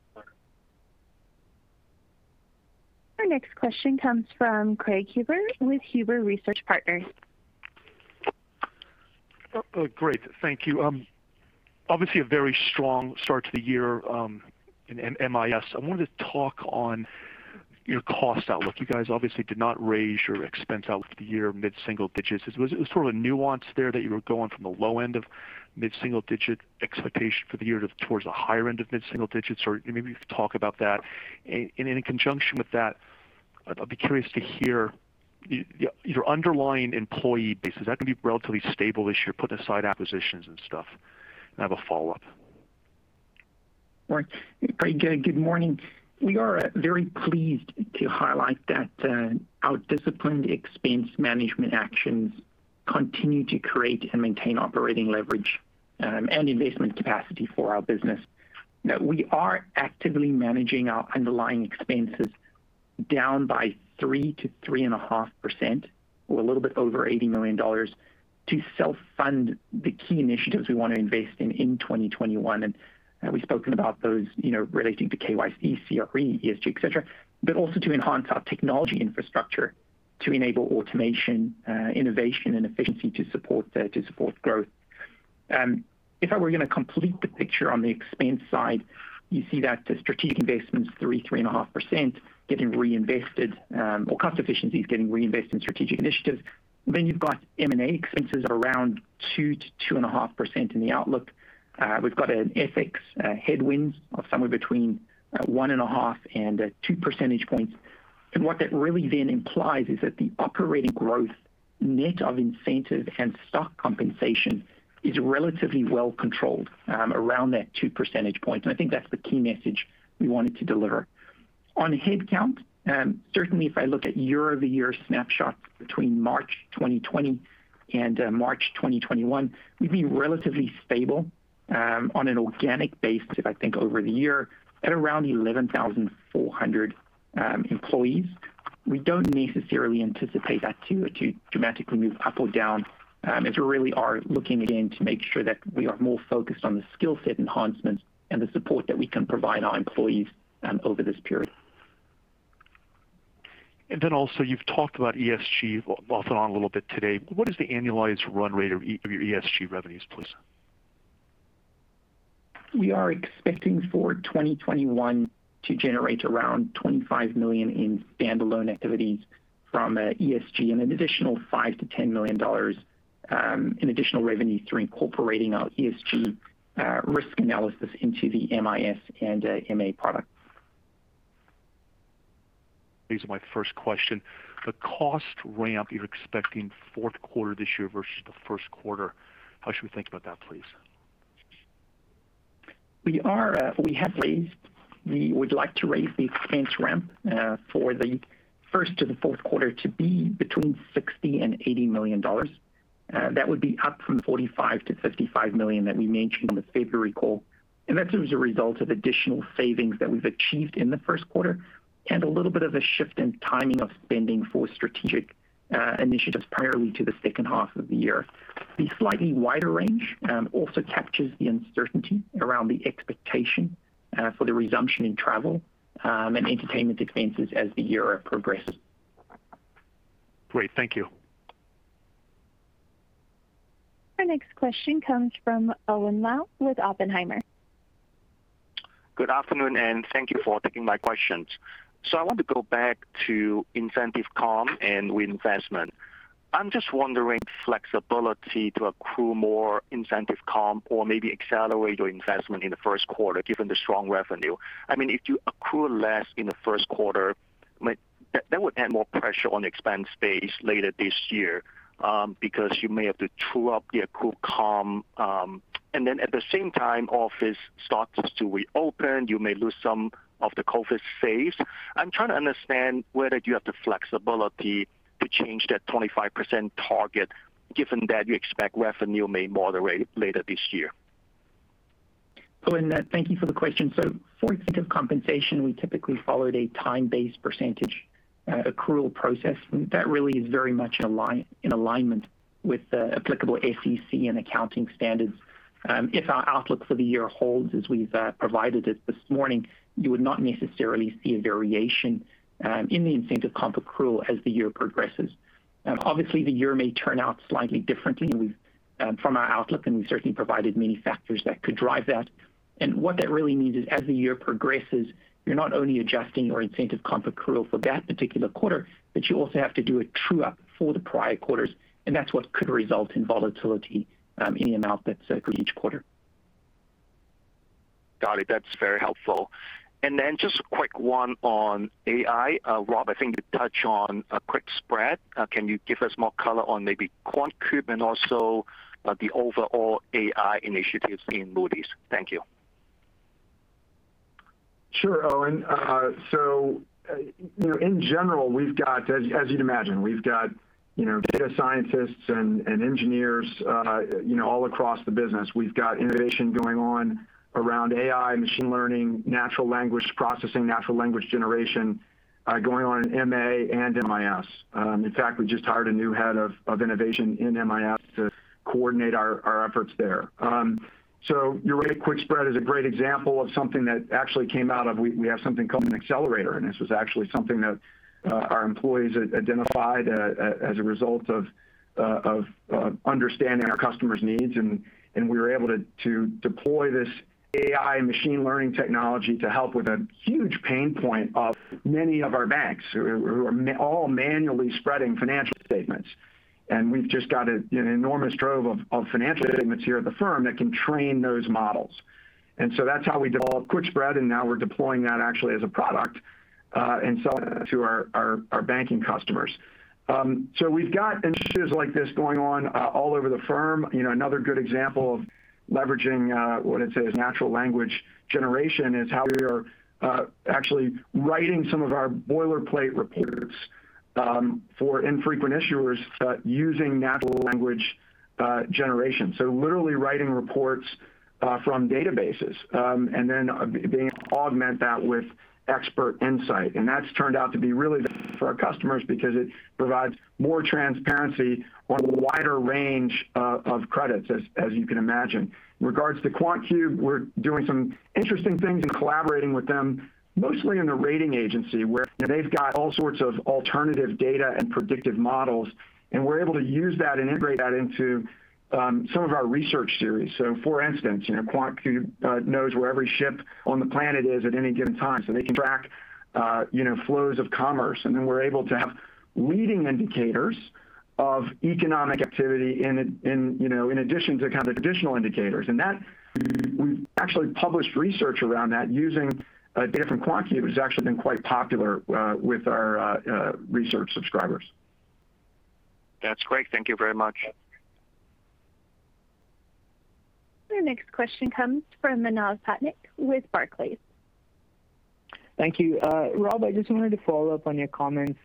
Our next question comes from Craig Huber with Huber Research Partners. Great. Thank you. Obviously a very strong start to the year in MIS. I wanted to talk on your cost outlook. You guys obviously did not raise your expense outlook for the year mid-single digits. It was sort of a nuance there that you were going from the low end of mid-single digit expectation for the year towards the higher end of mid-single digits, or maybe you could talk about that? In conjunction with that, I'd be curious to hear your underlying employee base. Is that going to be relatively stable this year, putting aside acquisitions and stuff? I have a follow-up. Right. Craig, good morning. We are very pleased to highlight that our disciplined expense management actions continue to create and maintain operating leverage, and investment capacity for our business. We are actively managing our underlying expenses down by 3%-3.5%, or a little bit over $80 million, to self-fund the key initiatives we want to invest in in 2021. We've spoken about those relating to KYC, CRE, ESG, et cetera, but also to enhance our technology infrastructure to enable automation, innovation, and efficiency to support growth. If I were going to complete the picture on the expense side, you see that the strategic investment is 3%, 3.5% getting reinvested, or cost efficiencies getting reinvested in strategic initiatives. You've got M&A expenses around 2%-2.5% in the outlook. We've got an FX headwind of somewhere between 1.5 and 2 percentage points. What that really then implies is that the operating growth net of incentive and stock compensation is relatively well controlled around that two percentage points, and I think that's the key message we wanted to deliver. On headcount, certainly if I look at year-over-year snapshot between March 2020 and March 2021, we've been relatively stable, on an organic basis, I think over the year at around 11,400 employees. We don't necessarily anticipate that to dramatically move up or down as we really are looking again to make sure that we are more focused on the skill set enhancements and the support that we can provide our employees over this period. Also you've talked about ESG off and on a little bit today. What is the annualized run rate of your ESG revenues, please? We are expecting for 2021 to generate around $25 million in standalone activities from ESG and an additional $5 million-$10 million in additional revenues through incorporating our ESG risk analysis into the MIS and MA products. These are my first question. The cost ramp you're expecting fourth quarter this year versus the first quarter, how should we think about that, please? We would like to raise the expense ramp for the first to the fourth quarter to be between $60 million and $80 million. That would be up from $45 million-$55 million that we mentioned in the February call. That's as a result of additional savings that we've achieved in the first quarter and a little bit of a shift in timing of spending for strategic initiatives prior to the second half of the year. The slightly wider range also captures the uncertainty around the expectation for the resumption in travel, and entertainment expenses as the year progresses. Great. Thank you. Our next question comes from Owen Lau with Oppenheimer. Good afternoon, thank you for taking my questions. I want to go back to incentive comp and reinvestment. I'm just wondering, flexibility to accrue more incentive comp or maybe accelerate your investment in the first quarter, given the strong revenue? If you accrue less in the first quarter, that would add more pressure on the expense base later this year, because you may have to true up the accrued comp. At the same time, office starts to reopen, you may lose some of the COVID saves. I'm trying to understand whether you have the flexibility to change that 25% target given that you expect revenue may moderate later this year. Owen, thank you for the question. For incentive compensation, we typically followed a time-based percentage accrual process. That really is very much in alignment with the applicable SEC and accounting standards. If our outlook for the year holds as we've provided it this morning, you would not necessarily see a variation in the incentive comp accrual as the year progresses. Obviously, the year may turn out slightly differently from our outlook, and we've certainly provided many factors that could drive that. What that really means is, as the year progresses, you're not only adjusting your incentive comp accrual for that particular quarter, but you also have to do a true-up for the prior quarters, and that's what could result in volatility in the outlook for each quarter. Got it. That's very helpful. Just a quick one on AI. Rob, I think you touched on QUIQspread. Can you give us more color on maybe QuantCube and also the overall AI initiatives in Moody's? Thank you. Sure, Owen. In general, as you'd imagine, we've got data scientists and engineers all across the business. We've got innovation going on around AI, machine learning, natural language processing, natural language generation going on in MA and MIS. In fact, we just hired a new head of innovation in MIS to coordinate our efforts there. You're right, QUIQspread is a great example of something that actually came out of. We have something called an accelerator, and this was actually something that our employees identified as a result of understanding our customers' needs. We were able to deploy this AI machine learning technology to help with a huge pain point of many of our banks who are all manually spreading financial statements. We've just got an enormous trove of financial statements here at the firm that can train those models. That's how we developed QUIQspread, and now we're deploying that actually as a product and selling it to our banking customers. We've got initiatives like this going on all over the firm. Another good example of leveraging what I'd say is natural language generation is how we are actually writing some of our boilerplate reports for infrequent issuers using natural language generation. Literally writing reports from databases and then being able to augment that with expert insight. That's turned out to be really good for our customers because it provides more transparency on a wider range of credits, as you can imagine. In regards to QuantCube, we're doing some interesting things and collaborating with them mostly in the rating agency, where they've got all sorts of alternative data and predictive models, and we're able to use that and integrate that into some of our research series. For instance, QuantCube knows where every ship on the planet is at any given time, so they can track flows of commerce, we're able to have leading indicators of economic activity in addition to kind of the traditional indicators. We've actually published research around that using data from QuantCube. It's actually been quite popular with our research subscribers. That's great. Thank you very much. Our next question comes from Manav Patnaik with Barclays. Thank you. Rob, I just wanted to follow up on your comments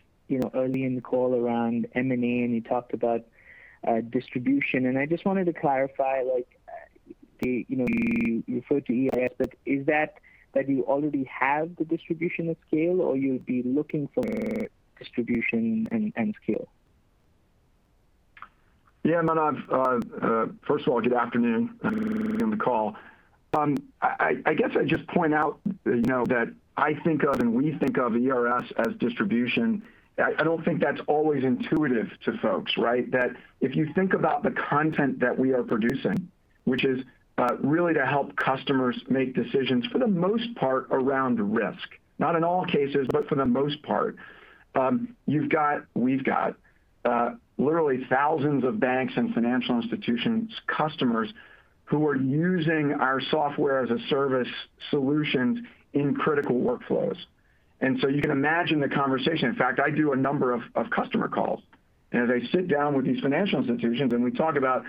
early in the call around M&A. You talked about distribution. I just wanted to clarify. Is that you already have the distribution of scale, or you'll be looking for distribution and scale? Yeah, Manav. First of all, good afternoon. I'm listening in the call. I guess I'd just point out that I think of, and we think of ERS as distribution. I don't think that's always intuitive to folks, right? That if you think about the content that we are producing, which is really to help customers make decisions for the most part around risk. Not in all cases, but for the most part. We've got literally thousands of banks and financial institutions customers who are using our software-as-a-service solutions in critical workflows. You can imagine the conversation. In fact, I do a number of customer calls, and as I sit down with these financial institutions and we talk about,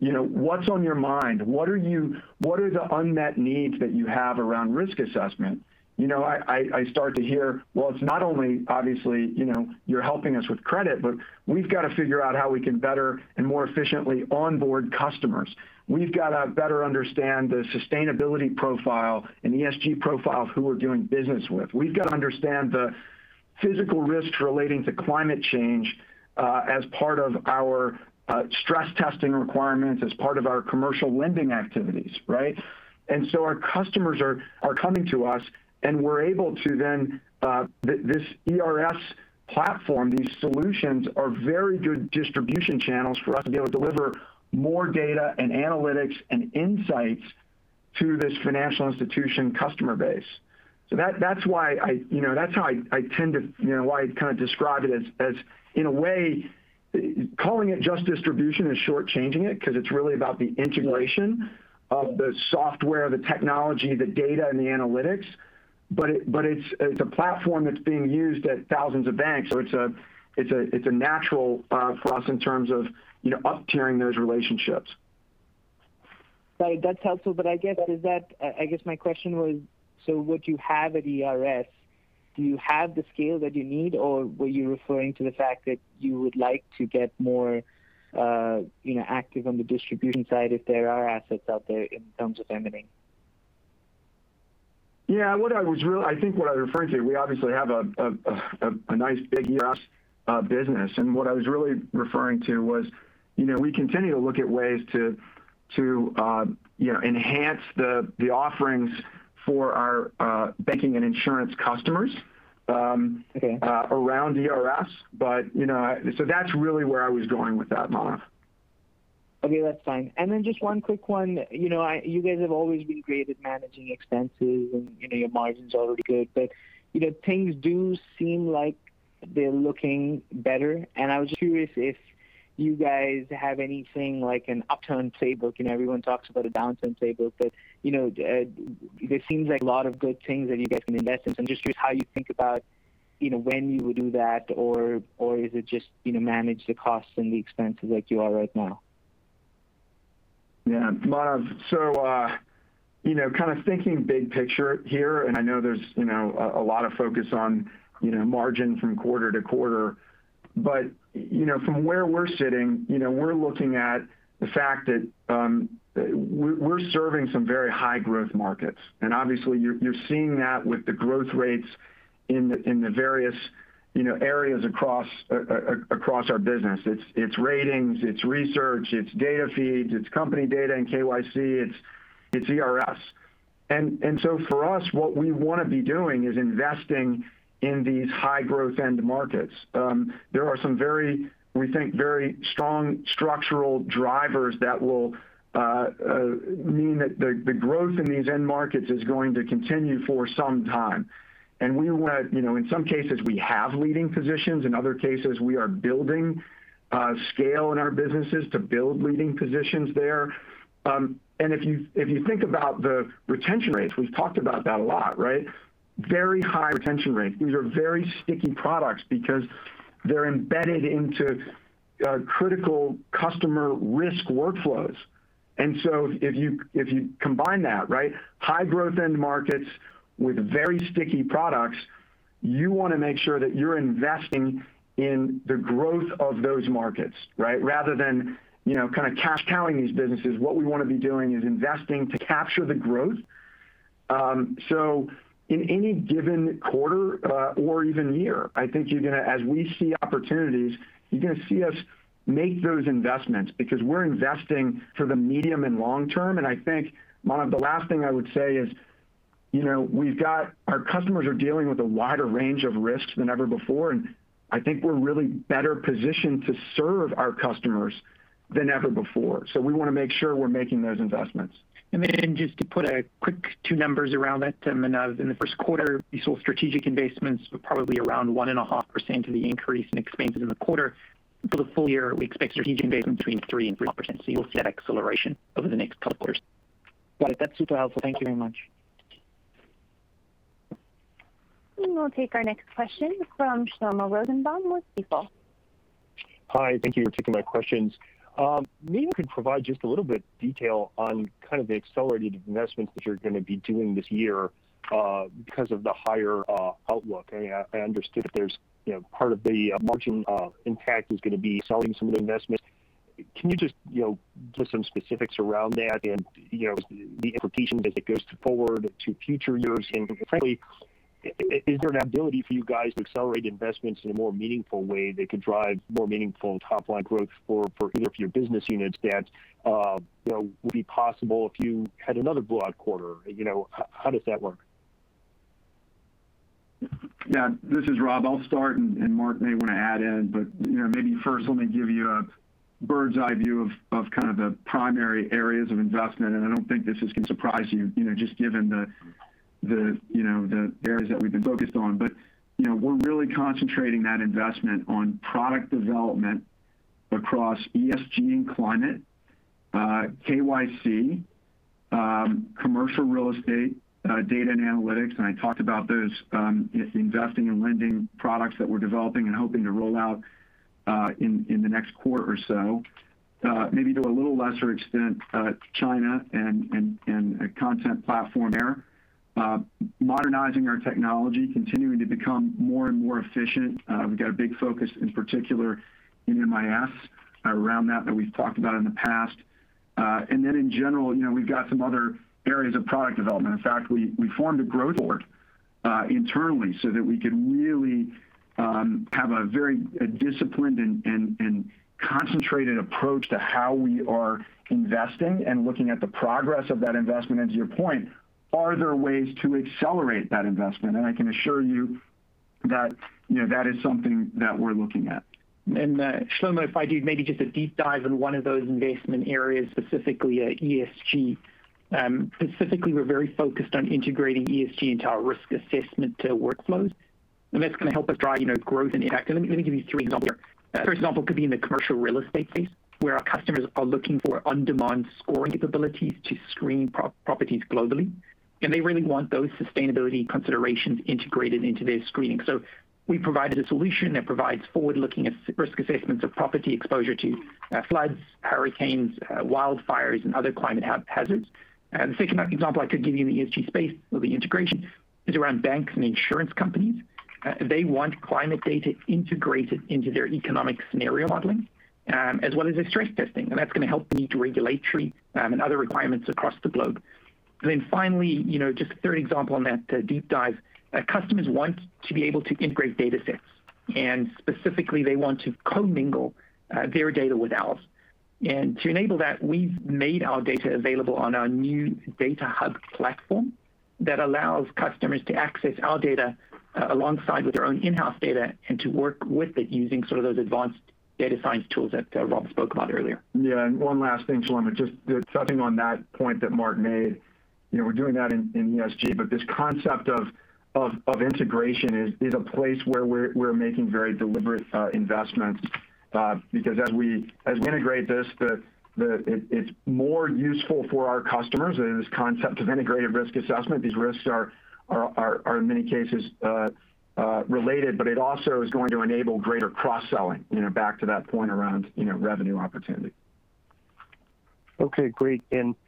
"What's on your mind? What are the unmet needs that you have around risk assessment?" I start to hear, "Well, it's not only obviously you're helping us with credit, but we've got to figure out how we can better and more efficiently onboard customers. We've got to better understand the sustainability profile and ESG profile of who we're doing business with. We've got to understand the physical risks relating to climate change as part of our stress testing requirements, as part of our commercial lending activities," right? Our customers are coming to us, and we're able to then-- This ERS platform, these solutions are very good distribution channels for us to be able to deliver more data and analytics and insights to this financial institution customer base. That's how I kind of describe it as in a way, calling it just distribution is short-changing it because it's really about the integration of the software, the technology, the data, and the analytics, but it's a platform that's being used at thousands of banks. It's natural for us in terms of uptiering those relationships. Right. That's helpful, but I guess my question was, so what you have at ERS. Do you have the scale that you need, or were you referring to the fact that you would like to get more active on the distribution side if there are assets out there in terms of M&A? Yeah. I think what I was referring to, we obviously have a nice big ERS business, and what I was really referring to was we continue to look at ways to enhance the offerings for our banking and insurance customers. Okay. Around ERS. That's really where I was going with that, Manav. Okay, that's fine. Then just one quick one. You guys have always been great at managing expenses, and your margins are already good, but things do seem like they're looking better. I was curious if you guys have anything like an upturn playbook. Everyone talks about a downturn playbook, but there seems like a lot of good things that you guys can invest in. I'm just curious how you think about when you would do that, or is it just manage the costs and the expenses like you are right now? Manav, kind of thinking big picture here, I know there's a lot of focus on margin from quarter to quarter. From where we're sitting, we're looking at the fact that we're serving some very high growth markets. Obviously you're seeing that with the growth rates in the various areas across our business. It's ratings, it's research, it's data feeds, it's company data and KYC, it's ERS. For us, what we want to be doing is investing in these high growth end markets. There are some very, we think, very strong structural drivers that will mean that the growth in these end markets is going to continue for some time. In some cases we have leading positions. In other cases, we are building scale in our businesses to build leading positions there. If you think about the retention rates, we've talked about that a lot, right? Very high retention rates. These are very sticky products because they're embedded into critical customer risk workflows. If you combine that, right, high growth end markets with very sticky products, you want to make sure that you're investing in the growth of those markets, right? Rather than kind of cash counting these businesses, what we want to be doing is investing to capture the growth. In any given quarter or even year, I think as we see opportunities, you're going to see us make those investments because we're investing for the medium and long term. I think, Manav, the last thing I would say is our customers are dealing with a wider range of risks than ever before, and I think we're really better positioned to serve our customers than ever before. We want to make sure we're making those investments. Just to put a quick two numbers around that, Manav. In the first quarter, we saw strategic investments were probably around 1.5% of the increase in expenses in the quarter. For the full year, we expect strategic investments between 3%-3.5%, so you'll see that acceleration over the next couple of years. Got it. That's super helpful. Thank you very much. We'll take our next question from Shlomo Rosenbaum with Stifel. Hi, thank you for taking my questions. Maybe you could provide just a little bit of detail on kind of the accelerated investments that you're going to be doing this year because of the higher outlook? I understood that part of the margin impact is going to be selling some of the investments. Can you just give some specifics around that and the implications as it goes forward to future years? Frankly, is there an ability for you guys to accelerate investments in a more meaningful way that could drive more meaningful top line growth for either of your business units that would be possible if you had another blowout quarter? How does that work? This is Rob. I'll start and Mark may want to add in. Maybe first let me give you a bird's eye view of kind of the primary areas of investment, and I don't think this is going to surprise you, just given the areas that we've been focused on. We're really concentrating that investment on product development across ESG and climate, KYC, commercial real estate, data and analytics, and I talked about those investing and lending products that we're developing and hoping to roll out in the next quarter or so. Maybe to a little lesser extent China and a content platform there. Modernizing our technology, continuing to become more and more efficient. We've got a big focus, in particular in MIS around that we've talked about in the past. Then in general, we've got some other areas of product development. In fact, we formed a growth board internally so that we could really have a very disciplined and concentrated approach to how we are investing and looking at the progress of that investment. To your point, are there ways to accelerate that investment? I can assure you that is something that we're looking at. Shlomo, if I do maybe just a deep dive in one of those investment areas, specifically ESG. Specifically, we're very focused on integrating ESG into our risk assessment workflows, that's going to help us drive growth and impact. Let me give you three examples here. First example could be in the commercial real estate space where our customers are looking for on-demand scoring capabilities to screen properties globally. They really want those sustainability considerations integrated into their screening. We provided a solution that provides forward-looking risk assessments of property exposure to floods, hurricanes, wildfires, and other climate hazards. The second example I could give you in the ESG space of the integration is around banks and insurance companies. They want climate data integrated into their economic scenario modeling, as well as their stress testing. That's going to help meet regulatory and other requirements across the globe. Finally, just a third example on that deep dive, customers want to be able to integrate datasets. Specifically, they want to commingle their data with ours. To enable that, we've made our data available on our new data hub platform that allows customers to access our data alongside with their own in-house data and to work with it using those advanced data science tools that Rob spoke about earlier. One last thing, Shlomo, just touching on that point that Mark made. We're doing that in ESG, but this concept of integration is a place where we're making very deliberate investments. As we integrate this, it's more useful for our customers as this concept of integrated risk assessment. These risks are, in many cases, related, but it also is going to enable greater cross-selling, back to that point around revenue opportunity. Okay, great. Next,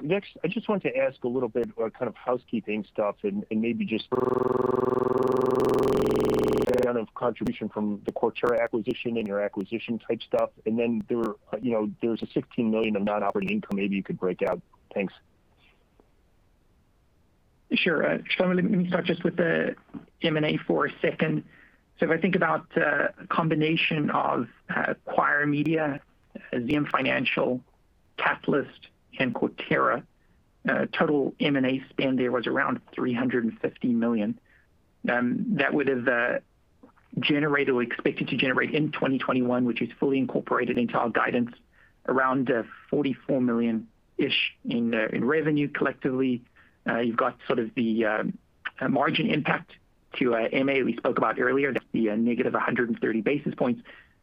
I just want to ask a little bit about kind of housekeeping stuff and maybe just amount of contribution from the Cortera acquisition and your acquisition-type stuff. There was a $16 million of non-operating income maybe you could break out? Thanks. Sure. Shlomo, let me start with the M&A for a second. If I think about a combination of Acquire Media, ZM Financial Systems, Catylist, and Cortera, total M&A spend there was around $350 million. That we're expecting to generate in 2021, which is fully incorporated into our guidance, around $44 million-ish in revenue collectively. You've got sort of the margin impact to MA we spoke about earlier, that's the -130 basis points.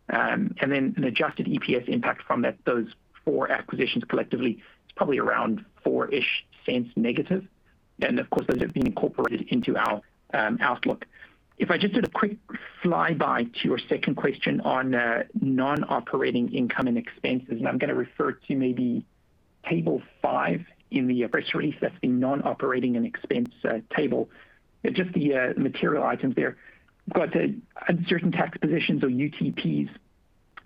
An adjusted EPS impact from those four acquisitions collectively, it's probably around $0.04-ish negative. Of course, those have been incorporated into our outlook. If I just did a quick fly-by to your second question on non-operating income and expenses, I'm going to refer to maybe table five in the press release. That's the non-operating and expense table. Just the material items there. Got certain tax positions or UTPs.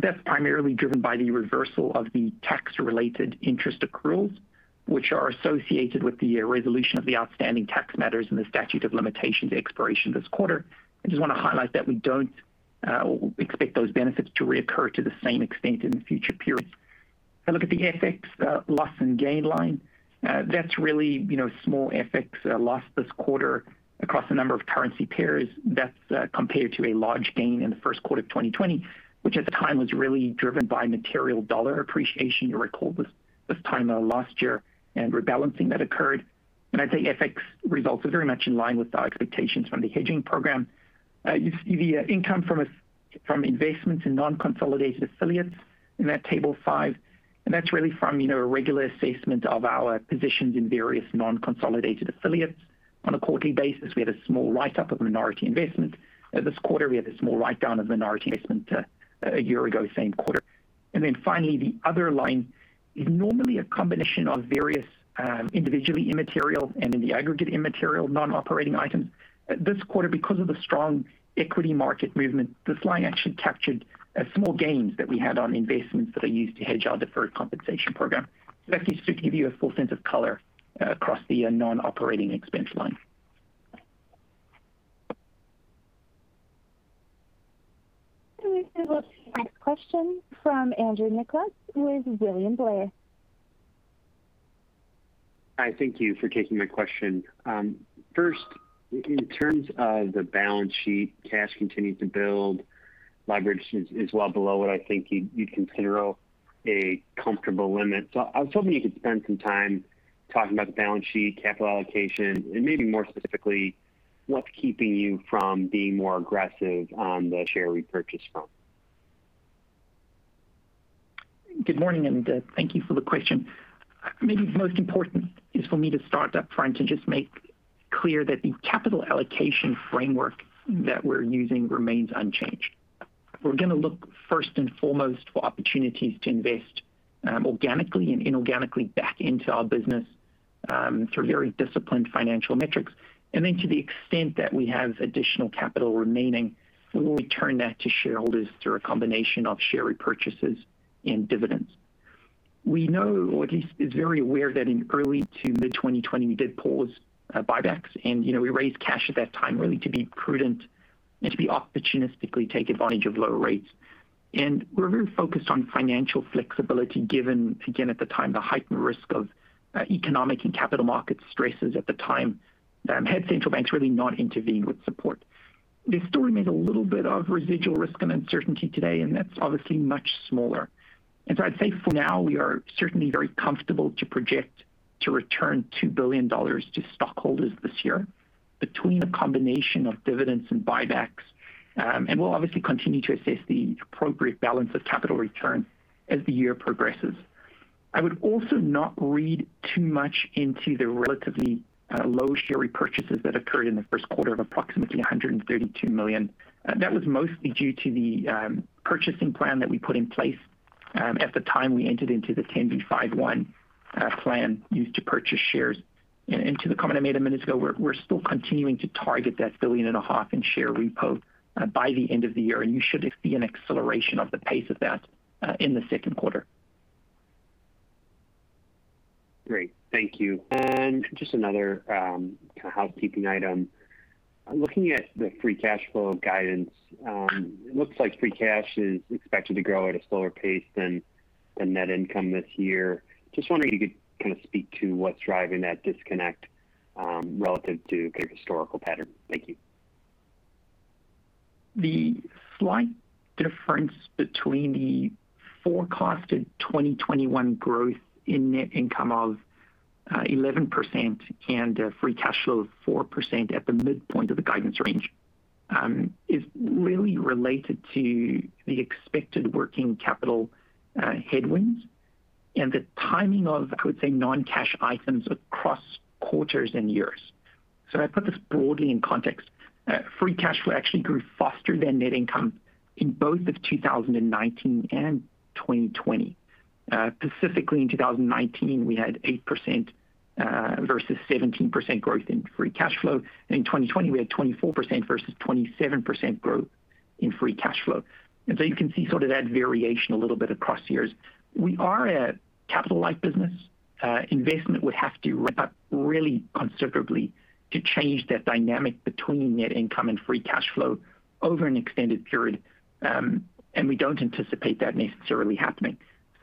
That's primarily driven by the reversal of the tax-related interest accruals, which are associated with the resolution of the outstanding tax matters and the statute of limitations expiration this quarter. I just want to highlight that we don't expect those benefits to reoccur to the same extent in the future periods. If I look at the FX loss and gain line, that's really small FX loss this quarter across a number of currency pairs. That's compared to a large gain in the first quarter of 2020, which at the time was really driven by material dollar appreciation. You'll recall this time last year and rebalancing that occurred. I'd say FX results are very much in line with our expectations from the hedging program. You see the income from investments in non-consolidated affiliates in that table five. That's really from a regular assessment of our positions in various non-consolidated affiliates. On a quarterly basis, we had a small write-up of minority investment. This quarter, we had a small write-down of minority investment a year ago, same quarter. Finally, the other line is normally a combination of various individually immaterial and in the aggregate immaterial non-operating items. This quarter, because of the strong equity market movement, this line actually captured small gains that we had on investments that are used to hedge our deferred compensation program. That's just to give you a full sense of color across the non-operating expense line. We will take the next question from Andrew Nicholas with William Blair. Hi, thank you for taking my question. First, in terms of the balance sheet, cash continued to build. Leverage is well below what I think you'd consider a comfortable limit. I was hoping you could spend some time talking about the balance sheet, capital allocation, and maybe more specifically, what's keeping you from being more aggressive on the share repurchase front. Good morning. Thank you for the question. Maybe most important is for me to start up front and just make clear that the capital allocation framework that we're using remains unchanged. We're going to look first and foremost for opportunities to invest organically and inorganically back into our business through very disciplined financial metrics. To the extent that we have additional capital remaining, we will return that to shareholders through a combination of share repurchases and dividends. We know, or at least is very aware that in early to mid-2020, we did pause buybacks and we raised cash at that time really to be prudent and to opportunistically take advantage of low rates. We're very focused on financial flexibility given, again, at the time, the heightened risk of economic and capital market stresses at the time had central banks really not intervened with support. This story made a little bit of residual risk and uncertainty today, that's obviously much smaller. I'd say for now we are certainly very comfortable to project to return $2 billion to stockholders this year between a combination of dividends and buybacks. We'll obviously continue to assess the appropriate balance of capital return as the year progresses. I would also not read too much into the relatively low share repurchases that occurred in the first quarter of approximately $132 million. That was mostly due to the purchasing plan that we put in place at the time we entered into the 10b5-1 plan used to purchase shares. To the comment I made a minute ago, we're still continuing to target that billion and a half in share repo by the end of the year, and you should see an acceleration of the pace of that in the second quarter. Great. Thank you. Just another kind of housekeeping item. Looking at the free cash flow guidance, it looks like free cash is expected to grow at a slower pace than net income this year. Just wondering if you could kind of speak to what's driving that disconnect relative to kind of historical pattern. Thank you. The slight difference between the forecasted 2021 growth in net income of 11% and free cash flow of 4% at the midpoint of the guidance range is really related to the expected working capital headwinds and the timing of, I would say, non-cash items across quarters and years. I put this broadly in context. Free cash flow actually grew faster than net income in both of 2019 and 2020. Specifically in 2019, we had 8% versus 17% growth in free cash flow. In 2020, we had 24% versus 27% growth in free cash flow. You can see sort of that variation a little bit across years. We are a capital-light business. Investment would have to ramp up really considerably to change that dynamic between net income and free cash flow over an extended period, and we don't anticipate that necessarily happening.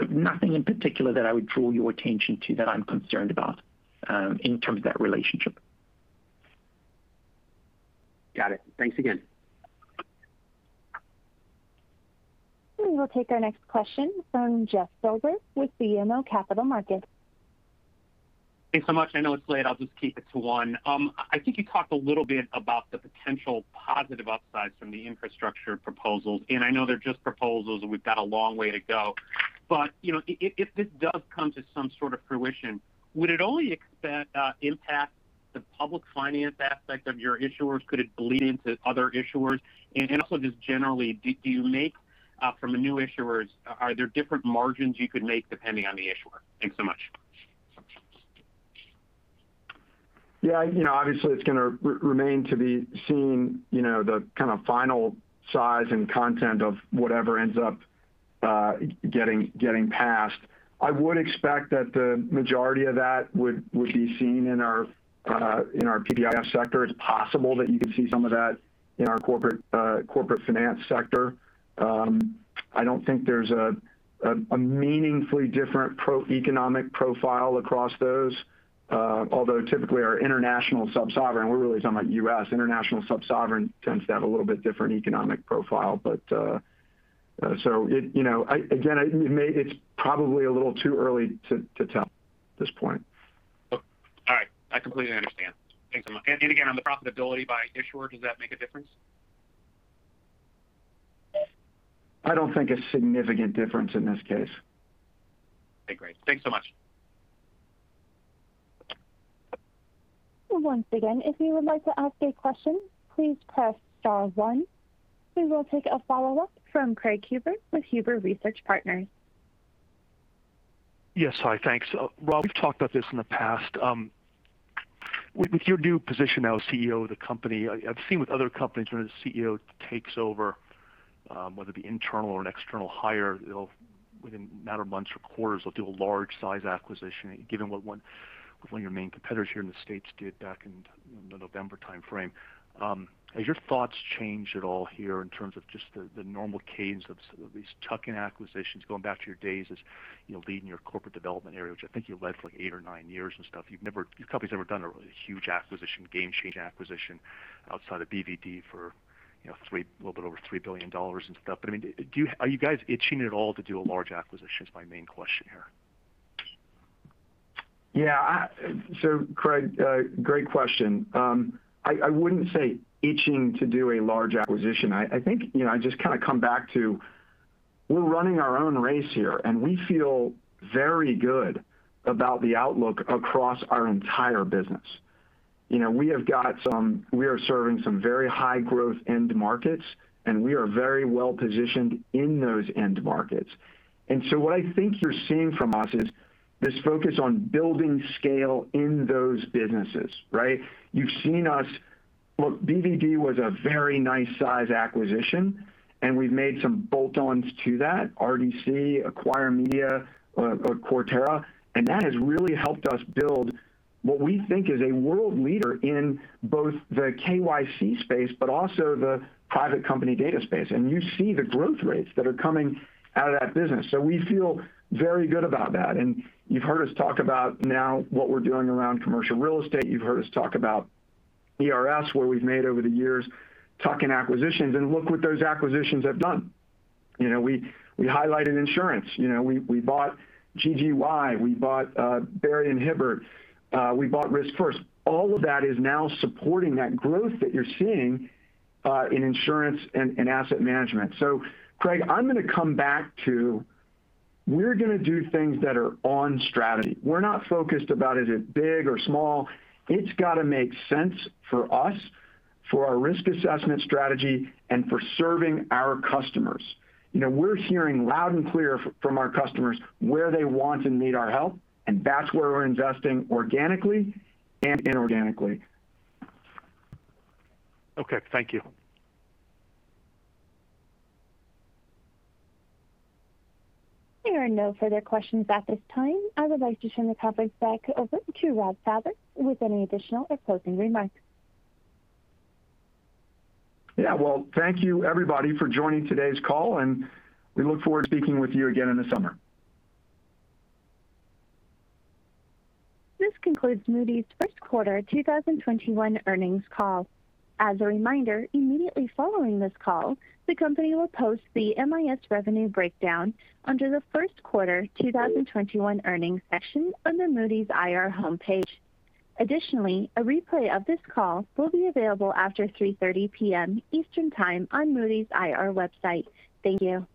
Nothing in particular that I would draw your attention to that I'm concerned about in terms of that relationship. Got it. Thanks again. We will take our next question from Jeff Silber with BMO Capital Markets. Thanks so much. I know it's late, I'll just keep it to one. I think you talked a little bit about the potential positive upsides from the infrastructure proposals, and I know they're just proposals and we've got a long way to go. If this does come to some sort of fruition, would it only impact the public finance aspect of your issuers? Could it bleed into other issuers? Also just generally, from the new issuers, are there different margins you could make depending on the issuer? Thanks so much. Yeah. Obviously it's going to remain to be seen the kind of final size and content of whatever ends up getting passed. I would expect that the majority of that would be seen in our PPIF sector. It's possible that you could see some of that in our corporate finance sector. I don't think there's a meaningfully different economic profile across those. Although typically our international sub-sovereign, we're really talking about U.S., international sub-sovereign tends to have a little bit different economic profile. Again, it's probably a little too early to tell at this point. All right. I completely understand. Thanks so much. Again, on the profitability by issuer, does that make a difference? I don't think a significant difference in this case. Okay, great. Thanks so much. Once again, if you would like to ask a question, please press star one. We will take a follow-up from Craig Huber with Huber Research Partners. Yes. Hi, thanks. Rob, we've talked about this in the past. With your new position now as CEO of the company, I've seen with other companies when a CEO takes over, whether it be internal or an external hire, they'll within a matter of months or quarters, they'll do a large size acquisition, given what one of your main competitors here in the States did back in the November timeframe. Has your thoughts changed at all here in terms of just the normal cadence of these tuck-in acquisitions, going back to your days as leading your corporate development area, which I think you led for eight or nine years and stuff. Your company's never done a really huge acquisition, game-changing acquisition outside of BvD for a little bit over $3 billion and stuff. Are you guys itching at all to do a large acquisition, is my main question here? Yeah. Craig, great question. I wouldn't say itching to do a large acquisition. I think I just kind of come back to we're running our own race here, and we feel very good about the outlook across our entire business. We are serving some very high growth end markets, and we are very well positioned in those end markets. What I think you're seeing from us is this focus on building scale in those businesses, right? Look, BvD was a very nice size acquisition, and we've made some bolt-ons to that, RDC, Acquire Media or Cortera. That has really helped us build what we think is a world leader in both the KYC space, but also the private company data space. You see the growth rates that are coming out of that business. We feel very good about that. You've heard us talk about now what we're doing around commercial real estate. You've heard us talk about ERS, where we've made over the years tuck-in acquisitions, and look what those acquisitions have done. We highlighted insurance. We bought GGY, we bought Barrie & Hibbert, we bought RiskFirst. All of that is now supporting that growth that you're seeing in insurance and asset management. Craig, I'm going to come back to we're going to do things that are on strategy. We're not focused about is it big or small. It's got to make sense for us for our risk assessment strategy and for serving our customers. We're hearing loud and clear from our customers where they want and need our help, and that's where we're investing organically and inorganically. Okay. Thank you. There are no further questions at this time. I would like to turn the conference back over to Rob Fauber with any additional or closing remarks. Yeah. Well, thank you everybody for joining today's call. We look forward to speaking with you again in the summer. This concludes Moody's first quarter 2021 earnings call. As a reminder, immediately following this call, the company will post the MIS revenue breakdown under the first quarter 2021 earnings section on the Moody's IR homepage. Additionally, a replay of this call will be available after 3:30 P.M. Eastern Time on Moody's IR website. Thank you.